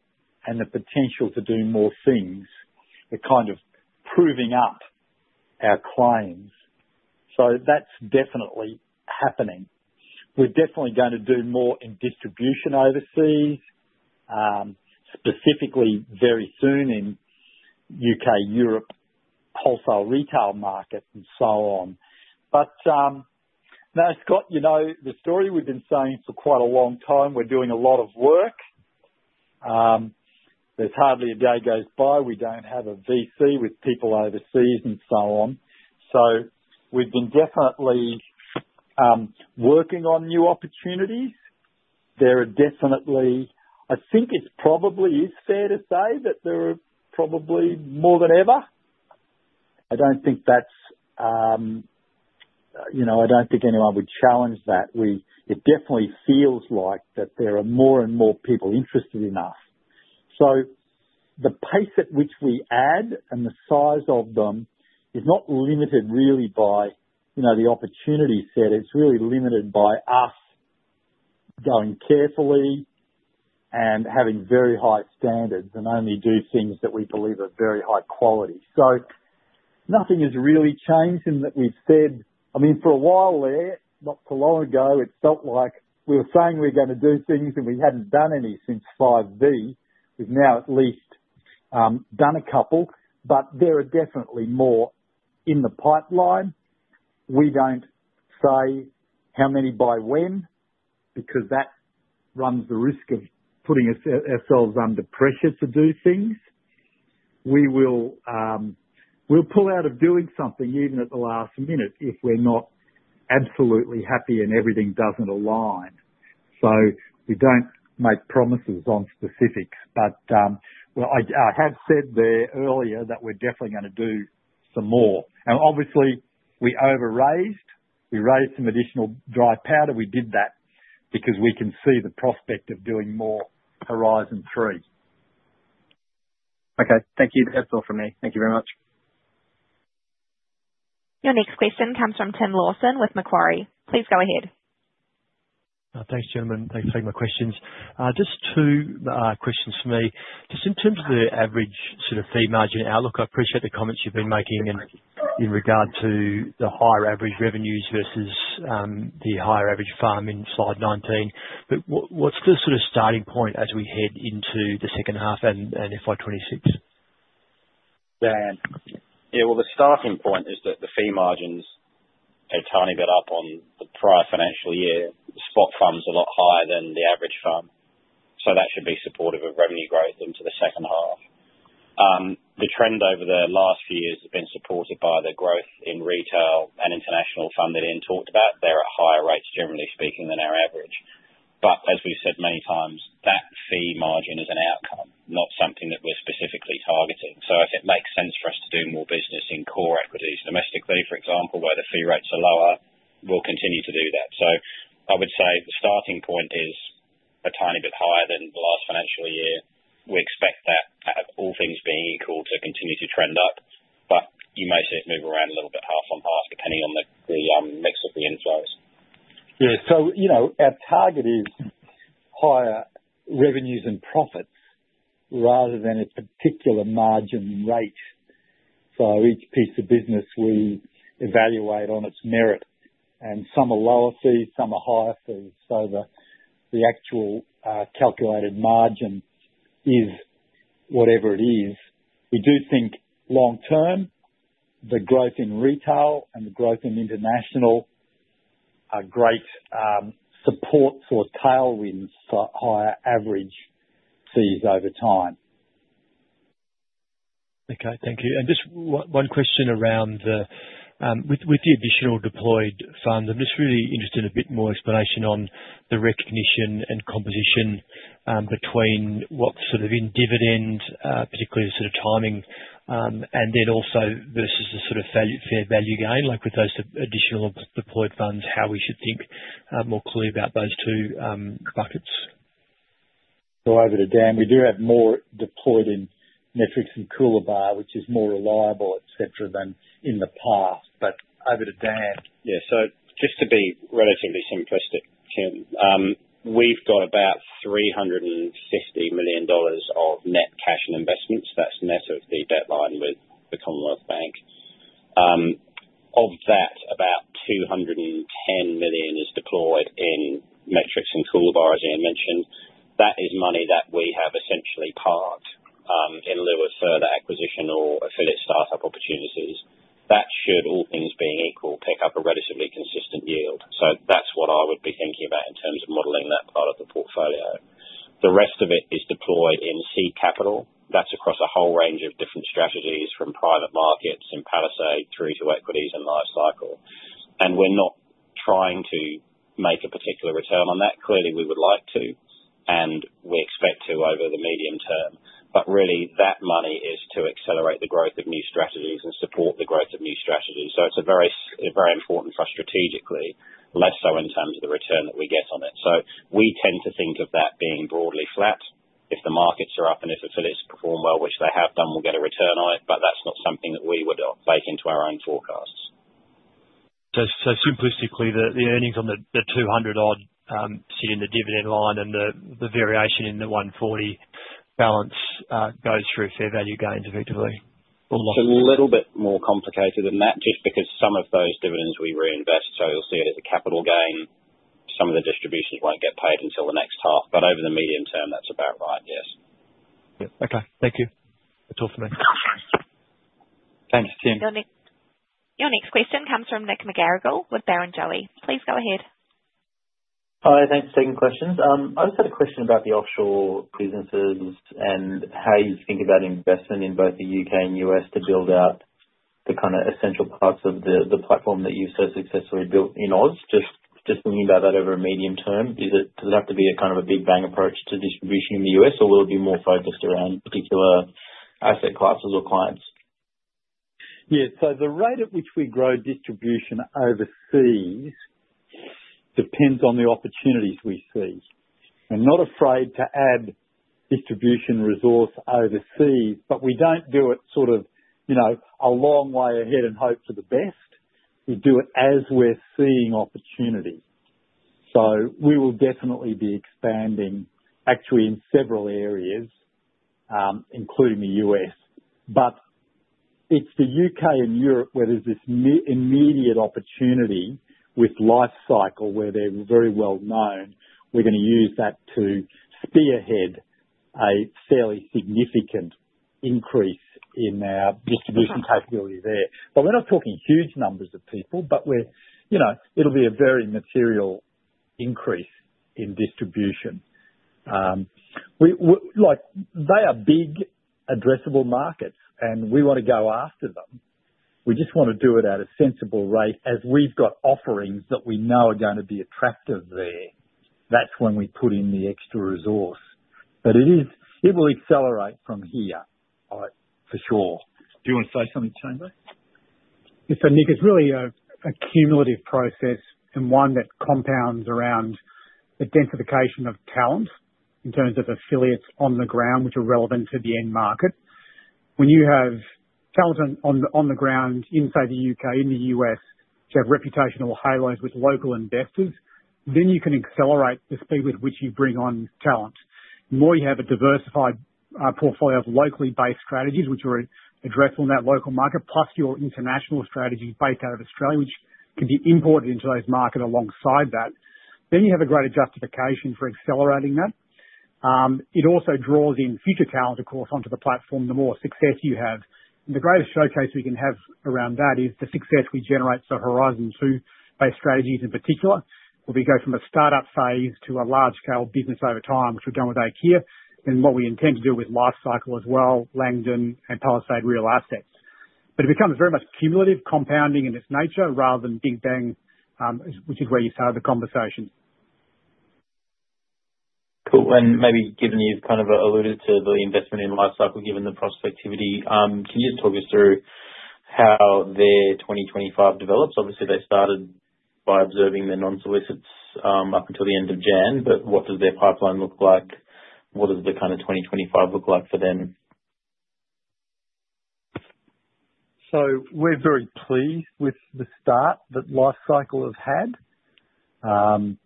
and the potential to do more things. We're kind of proving up our claims, so that's definitely happening. We're definitely going to do more in distribution overseas, specifically very soon in UK, Europe, wholesale retail market, and so on. But no, Scott, the story we've been saying for quite a long time, we're doing a lot of work. There's hardly a day goes by we don't have a VC with people overseas and so on. So we've been definitely working on new opportunities. There are definitely I think it probably is fair to say that there are probably more than ever. I don't think anyone would challenge that. It definitely feels like that there are more and more people interested in us. So the pace at which we add and the size of them is not limited really by the opportunity set. It's really limited by us going carefully and having very high standards and only doing things that we believe are very high quality. So nothing has really changed in that we've said, I mean, for a while there, not too long ago, it felt like we were saying we were going to do things, and we hadn't done any since Five V. We've now at least done a couple, but there are definitely more in the pipeline. We don't say how many by when because that runs the risk of putting ourselves under pressure to do things. We'll pull out of doing something even at the last minute if we're not absolutely happy and everything doesn't align. So we don't make promises on specifics. But I had said there earlier that we're definitely going to do some more. And obviously, we over-raised. We raised some additional dry powder. We did that because we can see the prospect of doing more Horizon 3. Okay. Thank you. That's all from me. Thank you very much. Your next question comes from Tim Lawson with Macquarie. Please go ahead. Thanks, gentlemen. Thanks for taking my questions. Just two questions for me. Just in terms of the average sort of fee margin outlook, I appreciate the comments you've been making in regard to the higher average revenues versus the higher average FUM in slide 19. But what's the sort of starting point as we head into the second half and FY2026? Yeah. Well, the starting point is that the fee margins are a tiny bit up on the prior financial year. The spot FUM's a lot higher than the average FUM. So that should be supportive of revenue growth into the second half. The trend over the last few years has been supported by the growth in retail and international FUM that Ian talked about. They're at higher rates, generally speaking, than our average. But as we've said many times, that fee margin is an outcome, not something that we're specifically targeting. So I think it makes sense for us to do more business in core equities domestically, for example, where the fee rates are lower. We'll continue to do that. So I would say the starting point is a tiny bit higher than the last financial year. We expect that, all things being equal, to continue to trend up. But you may see it move around a little bit half-on-half, depending on the mix of the inflows. Yeah. So our target is higher revenues and profits rather than a particular margin rate. So each piece of business we evaluate on its merit. And some are lower fees, some are higher fees. So the actual calculated margin is whatever it is. We do think long-term, the growth in retail and the growth in international are great supports or tailwinds for higher average fees over time. Okay. Thank you. And just one question around, with the additional deployed fund, I'm just really interested in a bit more explanation on the recognition and composition between what's sort of in dividend, particularly the sort of timing, and then also versus the sort of fair value gain, like with those additional deployed funds, how we should think more clearly about those two buckets. So over to Dan. We do have more deployed in Metrics and Coolabah, which is more reliable, etc., than in the past. But over to Dan. Yeah. So just to be relatively simplistic, Tim, we've got about $350 million of net cash and investments. That's net of the debt line with the Commonwealth Bank. Of that, $210 million is deployed in Metrics and Coolabah, as Ian mentioned. That is money that we have essentially parked in lieu of further acquisition or affiliate startup opportunities. That should, all things being equal, pick up a relatively consistent yield. So that's what I would be thinking about in terms of modeling that part of the portfolio. The rest of it is deployed in seed capital. That's across a whole range of different strategies from private markets and Palisade through to equities and Life Cycle. And we're not trying to make a particular return on that. Clearly, we would like to, and we expect to over the medium term. But really, that money is to accelerate the growth of new strategies and support the growth of new strategies. So it's very important for us strategically, less so in terms of the return that we get on it. So we tend to think of that being broadly flat. If the markets are up and if affiliates perform well, which they have done, we'll get a return on it. But that's not something that we would bake into our own forecasts. So simplistically, the earnings on the $200 sitting in the dividend line and the variation in the $140 balance goes through fair value gains effectively or losses? It's a little bit more complicated than that just because some of those dividends we reinvest. So you'll see it as a capital gain. Some of the distributions won't get paid until the next half. But over the medium term, that's about right, yes. Yeah. Okay. Thank you. That's all for me. Thanks, Tim. Your next question comes from Nick McGarrigle with Barrenjoey. Please go ahead. Hi. Thanks for taking questions. I just had a question about the offshore businesses and how you think about investment in both the U.K. and U.S. to build out the kind of essential parts of the platform that you've so successfully built in Oz. Just thinking about that over a medium term, does it have to be a kind of a big bang approach to distribution in the U.S., or will it be more focused around particular asset classes or clients? Yeah. So the rate at which we grow distribution overseas depends on the opportunities we see. We're not afraid to add distribution resource overseas, but we don't do it sort of a long way ahead and hope for the best. We do it as we're seeing opportunity. So we will definitely be expanding, actually, in several areas, including the U.S. But it's the UK and Europe where there's this immediate opportunity with Life Cycle where they're very well known. We're going to use that to spearhead a fairly significant increase in our distribution capability there. But we're not talking huge numbers of people, but it'll be a very material increase in distribution. They are big, addressable markets, and we want to go after them. We just want to do it at a sensible rate as we've got offerings that we know are going to be attractive there. That's when we put in the extra resource. But it will accelerate from here, for sure. Do you want to say something, Chambers? Yes, sir. Nick, it's really a cumulative process and one that compounds around the densification of talent in terms of affiliates on the ground, which are relevant to the end market. When you have talent on the ground inside the U.K., in the U.S., which have reputational halos with local investors, then you can accelerate the speed with which you bring on talent. The more you have a diversified portfolio of locally based strategies, which are addressable in that local market, plus your international strategies based out of Australia, which can be imported into those markets alongside that, then you have a greater justification for accelerating that. It also draws in future talent, of course, onto the platform, the more success you have, and the greatest showcase we can have around that is the success we generate for Horizon 2-based strategies in particular, where we go from a startup phase to a large-scale business over time, which we've done with Aikya, and what we intend to do with Life Cycle as well, Langdon, and Palisade Real Assets. But it becomes very much cumulative, compounding in its nature rather than big bang, which is where you started the conversation. Cool. And maybe given you've kind of alluded to the investment in Life Cycle given the prospectivity, can you just talk us through how their 2025 develops? Obviously, they started by observing the non-solicits up until the end of January, but what does their pipeline look like? What does the kind of 2025 look like for them? So we're very pleased with the start that Life Cycle have had.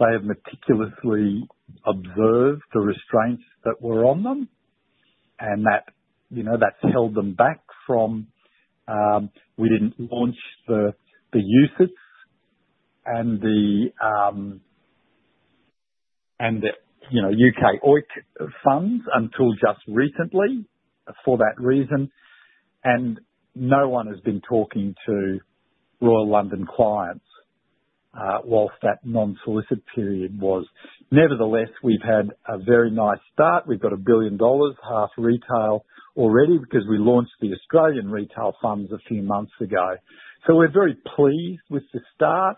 They have meticulously observed the restraints that were on them, and that's held them back from we didn't launch the U.S. and the U.K. OEIC funds until just recently for that reason. And no one has been talking to Royal London clients whilst that non-solicit period was. Nevertheless, we've had a very nice start. We've got $1 billion, half retail already, because we launched the Australian retail funds a few months ago. So we're very pleased with the start.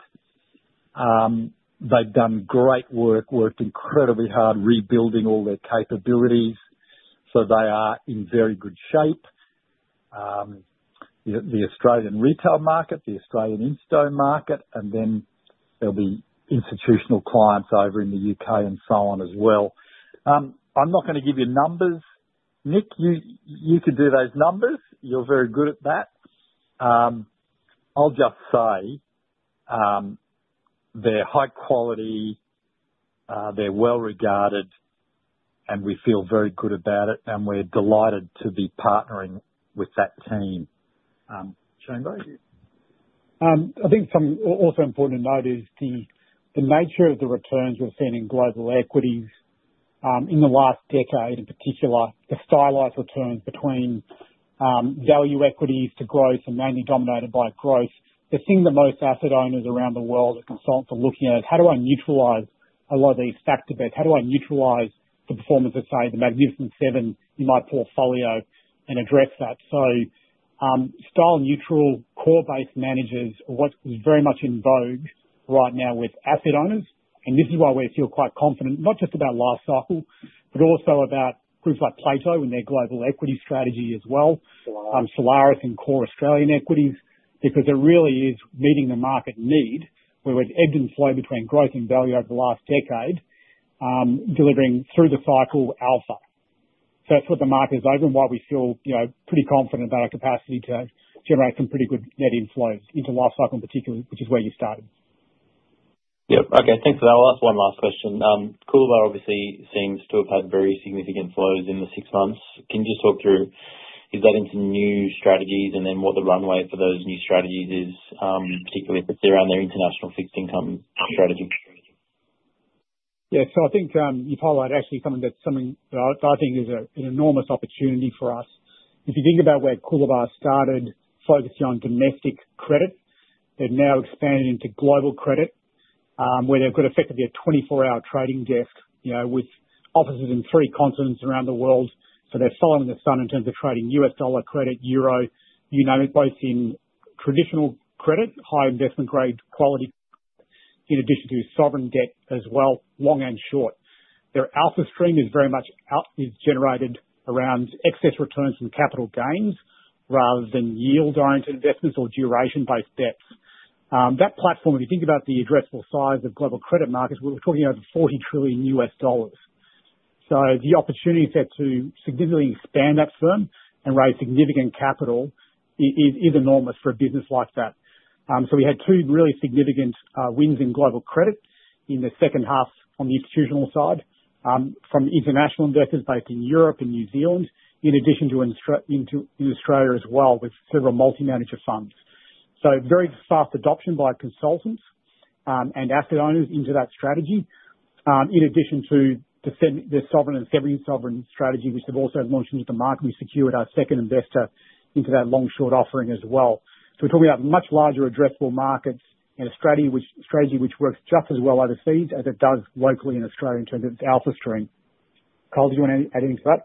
They've done great work, worked incredibly hard rebuilding all their capabilities. So they are in very good shape. The Australian retail market, the Australian institutional market, and then there'll be institutional clients over in the UK and so on as well. I'm not going to give you numbers. Nick, you can do those numbers. You're very good at that. I'll just say they're high quality. They're well regarded, and we feel very good about it, and we're delighted to be partnering with that team. Chambers, you? I think something also important to note is the nature of the returns we're seeing in global equities in the last decade, in particular, the stylized returns between value equities to growth and mainly dominated by growth. The thing that most asset owners around the world and consultants are looking at is, how do I neutralize a lot of these factor bets? How do I neutralize the performance of, say, the Magnificent Seven in my portfolio and address that? So style neutral, core-based managers are what's very much in vogue right now with asset owners. And this is why we feel quite confident, not just about Life Cycle, but also about groups like Plato in their global equity strategy as well, Solaris and Core Australian Equities, because it really is meeting the market need. We were at ebbs and flows between growth and value over the last decade, delivering through the cycle alpha. So that's what the market is after and why we feel pretty confident about our capacity to generate some pretty good net inflows into Life Cycle in particular, which is where you started. Yep. Okay. Thanks for that. I'll ask one last question. Coolabah obviously seems to have had very significant flows in the six months. Can you just talk through, is that into new strategies and then what the runway for those new strategies is, particularly if it's around their international fixed income strategy? Yeah, so I think you've highlighted actually something that I think is an enormous opportunity for us. If you think about where Coolabah started focusing on domestic credit, they've now expanded into global credit, where they've got effectively a 24-hour trading desk with offices in three continents around the world, so they're following the sun in terms of trading US dollar credit, euro, you name it, both in traditional credit, high investment grade quality credit, in addition to sovereign debt as well, long and short. Their alpha stream is very much generated around excess returns from capital gains rather than yield-oriented investments or duration-based debts. That platform, if you think about the addressable size of global credit markets, we're talking over $40 trillion. So the opportunity set to significantly expand that firm and raise significant capital is enormous for a business like that. So we had two really significant wins in global credit in the second half on the institutional side from international investors both in Europe and New Zealand, in addition to in Australia as well with several multi-manager funds. So very fast adoption by consultants and asset owners into that strategy, in addition to the sovereign and sub-sovereign strategy, which they've also launched into the market. We secured our second investor into that long-short offering as well. We're talking about much larger addressable markets and a strategy which works just as well overseas as it does locally in Australia in terms of its alpha stream. Kyle, do you want to add anything to that?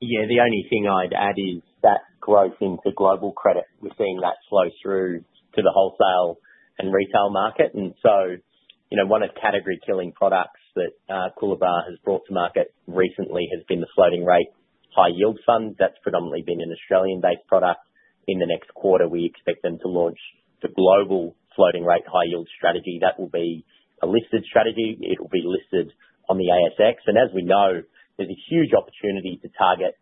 Yeah. The only thing I'd add is that growth into global credit. We're seeing that flow through to the wholesale and retail market. And so one of the category-killing products that Coolabah has brought to market recently has been the Floating-Rate High Yield Fund. That's predominantly been an Australian-based product. In the next quarter, we expect them to launch the Global Floating-Rate High Yield Strategy. That will be a listed strategy. It will be listed on the ASX. And as we know, there's a huge opportunity to target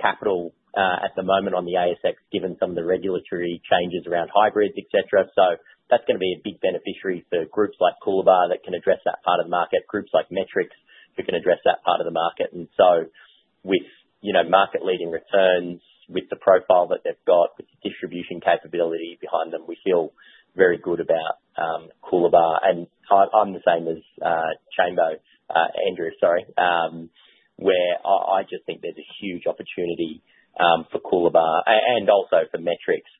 capital at the moment on the ASX, given some of the regulatory changes around hybrids, etc. So that's going to be a big beneficiary for groups like Coolabah that can address that part of the market, groups like Metrics that can address that part of the market. And so with market-leading returns, with the profile that they've got, with the distribution capability behind them, we feel very good about Coolabah. And I'm the same as Chambers, Andrew, sorry, where I just think there's a huge opportunity for Coolabah and also for Metrics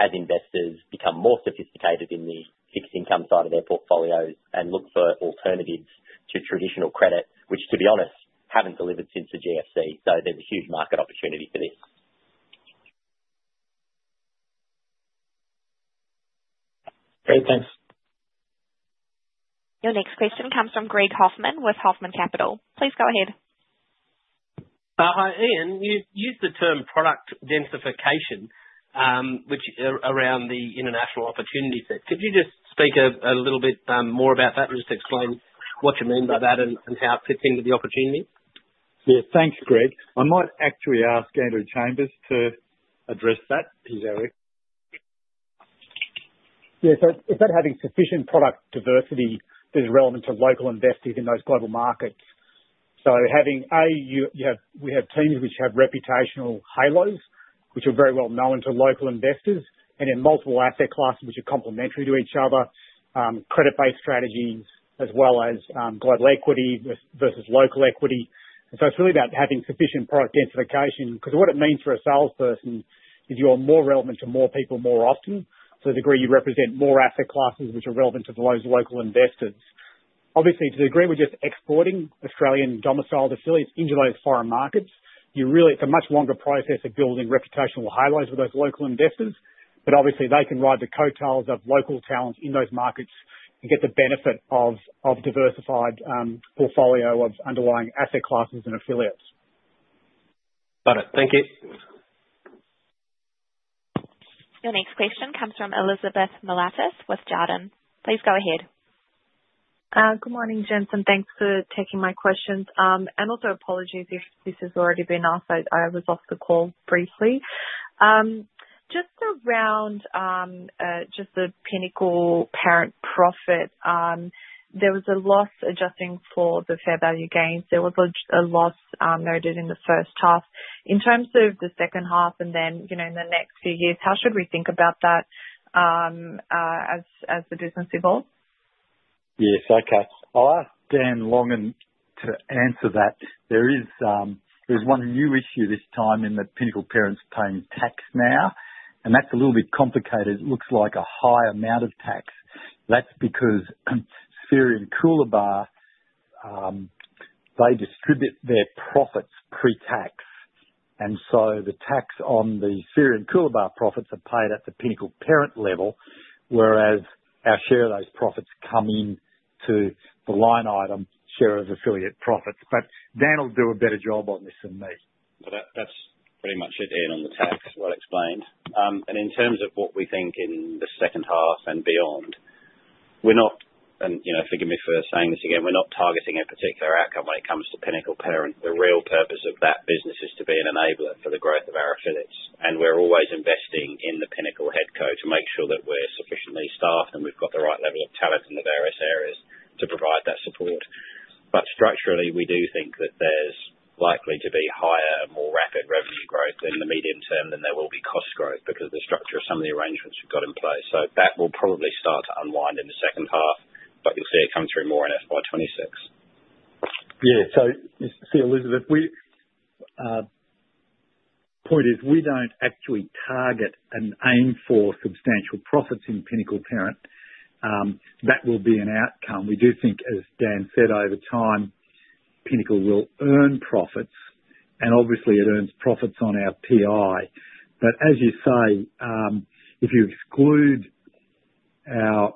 as investors become more sophisticated in the fixed income side of their portfolios and look for alternatives to traditional credit, which, to be honest, haven't delivered since the GFC. So there's a huge market opportunity for this. Great. Thanks. Your next question comes from Greg Hoffman with Hoffman Capital. Please go ahead. Hi, Ian. You've used the term product densification, which is around the international opportunity set. Could you just speak a little bit more about that and just explain what you mean by that and how it fits into the opportunity? Yeah. Thanks, Greg. I might actually ask Andrew Chambers to address that. He's Andrew. Yeah. So it's about having sufficient product diversity that is relevant to local investors in those global markets. So having, A, we have teams which have reputational halos, which are very well known to local investors, and then multiple asset classes which are complementary to each other, credit-based strategies, as well as global equity versus local equity. And so it's really about having sufficient product densification because what it means for a salesperson is you're more relevant to more people more often. To a degree, you represent more asset classes which are relevant to those local investors. Obviously, to the degree we're just exporting Australian domiciled affiliates into those foreign markets, it's a much longer process of building reputational halos with those local investors. But obviously, they can ride the coattails of local talent in those markets and get the benefit of a diversified portfolio of underlying asset classes and affiliates. Got it. Thank you. Your next question comes from Elizabeth Miliatis with Jarden. Please go ahead. Good morning, gents. Thanks for taking my questions. And also apologies if this has already been asked. I was off the call briefly. Just around just the Pinnacle Parent profit, there was a loss adjusting for the fair value gains. There was a loss noted in the first half. In terms of the second half and then in the next few years, how should we think about that as the business evolves? Yes. Okay. I'll ask Dan Longan to answer that. There is one new issue this time in the Pinnacle Parent's paying tax now, and that's a little bit complicated. It looks like a high amount of tax. That's because Spheria and Coolabah, they distribute their profits pre-tax. And so the tax on the Spheria and Coolabah profits are paid at the Pinnacle Parent level, whereas our share of those profits come into the line item share of affiliate profits. But Dan will do a better job on this than me. That's pretty much it, Ian, on the tax well explained. And in terms of what we think in the second half and beyond, we're not, and forgive me for saying this again, we're not targeting a particular outcome when it comes to Pinnacle Parent. The real purpose of that business is to be an enabler for the growth of our affiliates. We're always investing in the Pinnacle headco to make sure that we're sufficiently staffed and we've got the right level of talent in the various areas to provide that support. Structurally, we do think that there's likely to be higher and more rapid revenue growth in the medium term than there will be cost growth because of the structure of some of the arrangements we've got in place. That will probably start to unwind in the second half, but you'll see it come through more in FY2026. Yeah. See, Elizabeth, point is we don't actually target and aim for substantial profits in Pinnacle Parent. That will be an outcome. We do think, as Dan said, over time, Pinnacle will earn profits, and obviously, it earns profits on our PI. But as you say, if you exclude our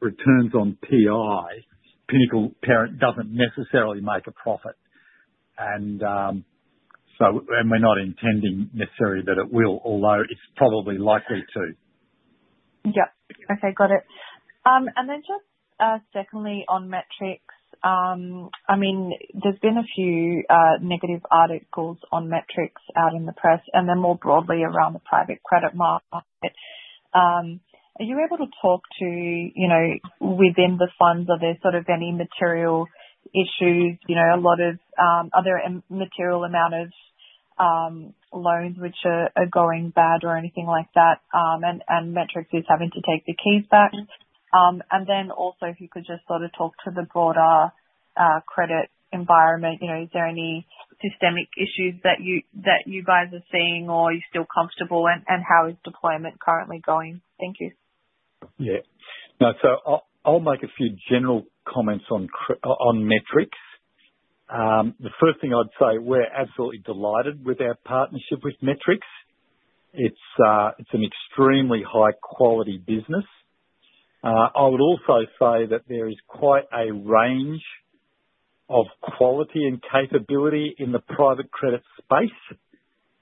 returns on PI, Pinnacle Parent doesn't necessarily make a profit. And we're not intending necessarily that it will, although it's probably likely to. Yep. Okay. Got it. And then just secondly on Metrics, I mean, there's been a few negative articles on Metrics out in the press and then more broadly around the private credit market. Are you able to talk to within the funds, are there sort of any material issues? Are there material amounts of loans which are going bad or anything like that, and Metrics is having to take the keys back? And then also, if you could just sort of talk to the broader credit environment, is there any systemic issues that you guys are seeing or you're still comfortable, and how is deployment currently going? Thank you. Yeah. No, so I'll make a few general comments on Metrics. The first thing I'd say, we're absolutely delighted with our partnership with Metrics. It's an extremely high-quality business. I would also say that there is quite a range of quality and capability in the private credit space.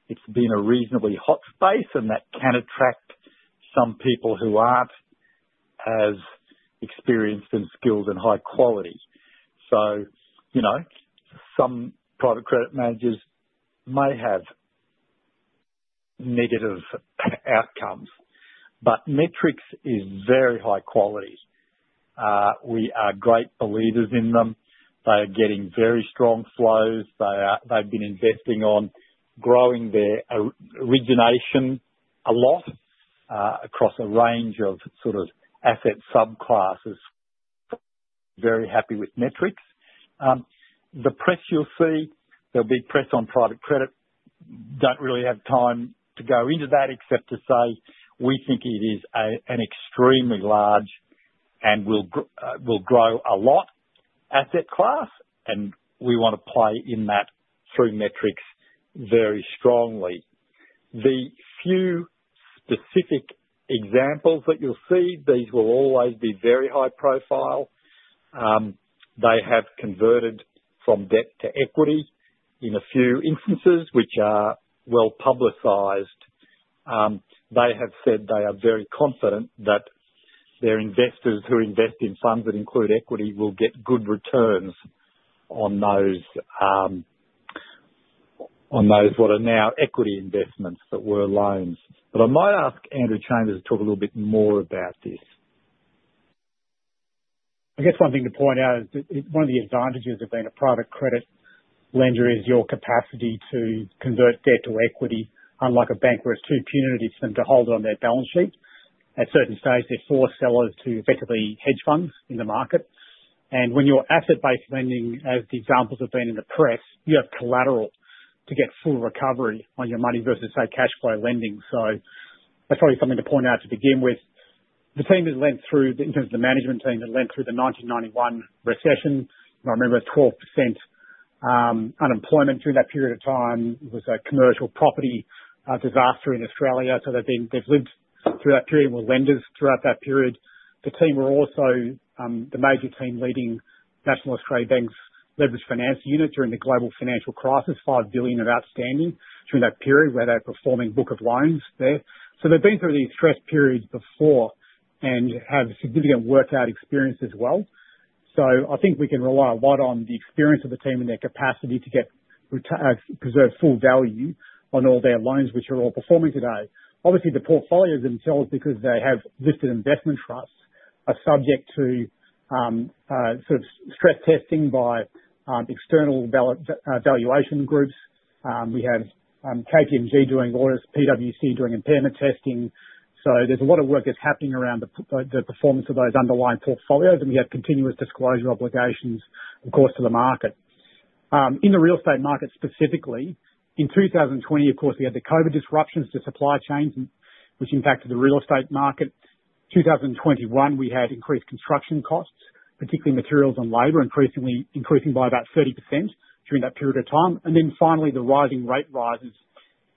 It's been a reasonably hot space, and that can attract some people who aren't as experienced and skilled and high quality. So some private credit managers may have negative outcomes, but Metrics is very high quality. We are great believers in them. They are getting very strong flows. They've been investing on growing their origination a lot across a range of sort of asset subclasses. Very happy with Metrics. The press you'll see, there'll be press on private credit. Don't really have time to go into that except to say we think it is an extremely large and will grow a lot asset class, and we want to play in that through Metrics very strongly. The few specific examples that you'll see, these will always be very high profile. They have converted from debt to equity in a few instances, which are well publicized. They have said they are very confident that their investors who invest in funds that include equity will get good returns on those what are now equity investments that were loans. But I might ask Andrew Chambers to talk a little bit more about this. I guess one thing to point out is that one of the advantages of being a private credit lender is your capacity to convert debt to equity, unlike a bank where it's too punitive for them to hold on their balance sheet. At certain stages, they force sellers to effectively hedge funds in the market, and when you're asset-based lending, as the examples have been in the press, you have collateral to get full recovery on your money versus, say, cash flow lending, so that's probably something to point out to begin with. In terms of the management team, they've lent through the 1991 recession. I remember 12% unemployment during that period of time. It was a commercial property disaster in Australia, so they've lived through that period and were lenders throughout that period. The team were also the major team leading National Australia Bank's leveraged finance unit during the Global Financial Crisis, $5 billion outstanding during that period where they're performing book of loans there, so they've been through these stress periods before and have significant workout experience as well. So I think we can rely a lot on the experience of the team and their capacity to preserve full value on all their loans, which are all performing today. Obviously, the portfolios themselves, because they have listed investment trusts, are subject to sort of stress testing by external valuation groups. We have KPMG doing audits, PwC doing impairment testing, so there's a lot of work that's happening around the performance of those underlying portfolios, and we have continuous disclosure obligations, of course, to the market. In the real estate market specifically, in 2020, of course, we had the COVID disruptions to supply chains, which impacted the real estate market. In 2021, we had increased construction costs, particularly materials and labor, increasing by about 30% during that period of time. And then finally, the rising rates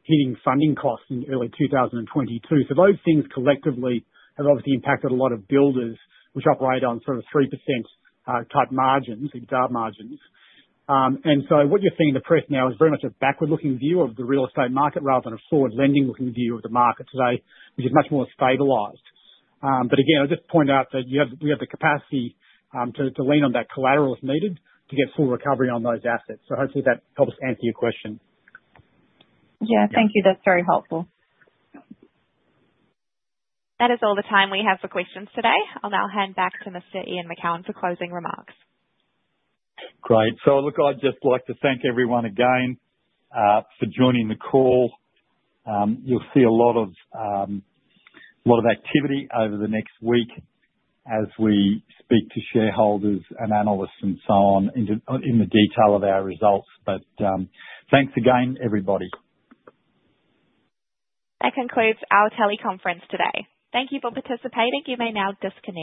hitting funding costs in early 2022. So those things collectively have obviously impacted a lot of builders, which operate on sort of 3% type margins, EBITDA margins. And so what you're seeing in the press now is very much a backward-looking view of the real estate market rather than a forward-looking view of the market today, which is much more stabilized. But again, I'll just point out that we have the capacity to lean on that collateral if needed to get full recovery on those assets. So hopefully, that helps answer your question. Yeah. Thank you. That's very helpful. That is all the time we have for questions today. I'll now hand back to Mr. Ian Macoun for closing remarks. Great. So look, I'd just like to thank everyone again for joining the call. You'll see a lot of activity over the next week as we speak to shareholders and analysts and so on in the detail of our results. But thanks again, everybody. That concludes our teleconference today. Thank you for participating. You may now disconnect.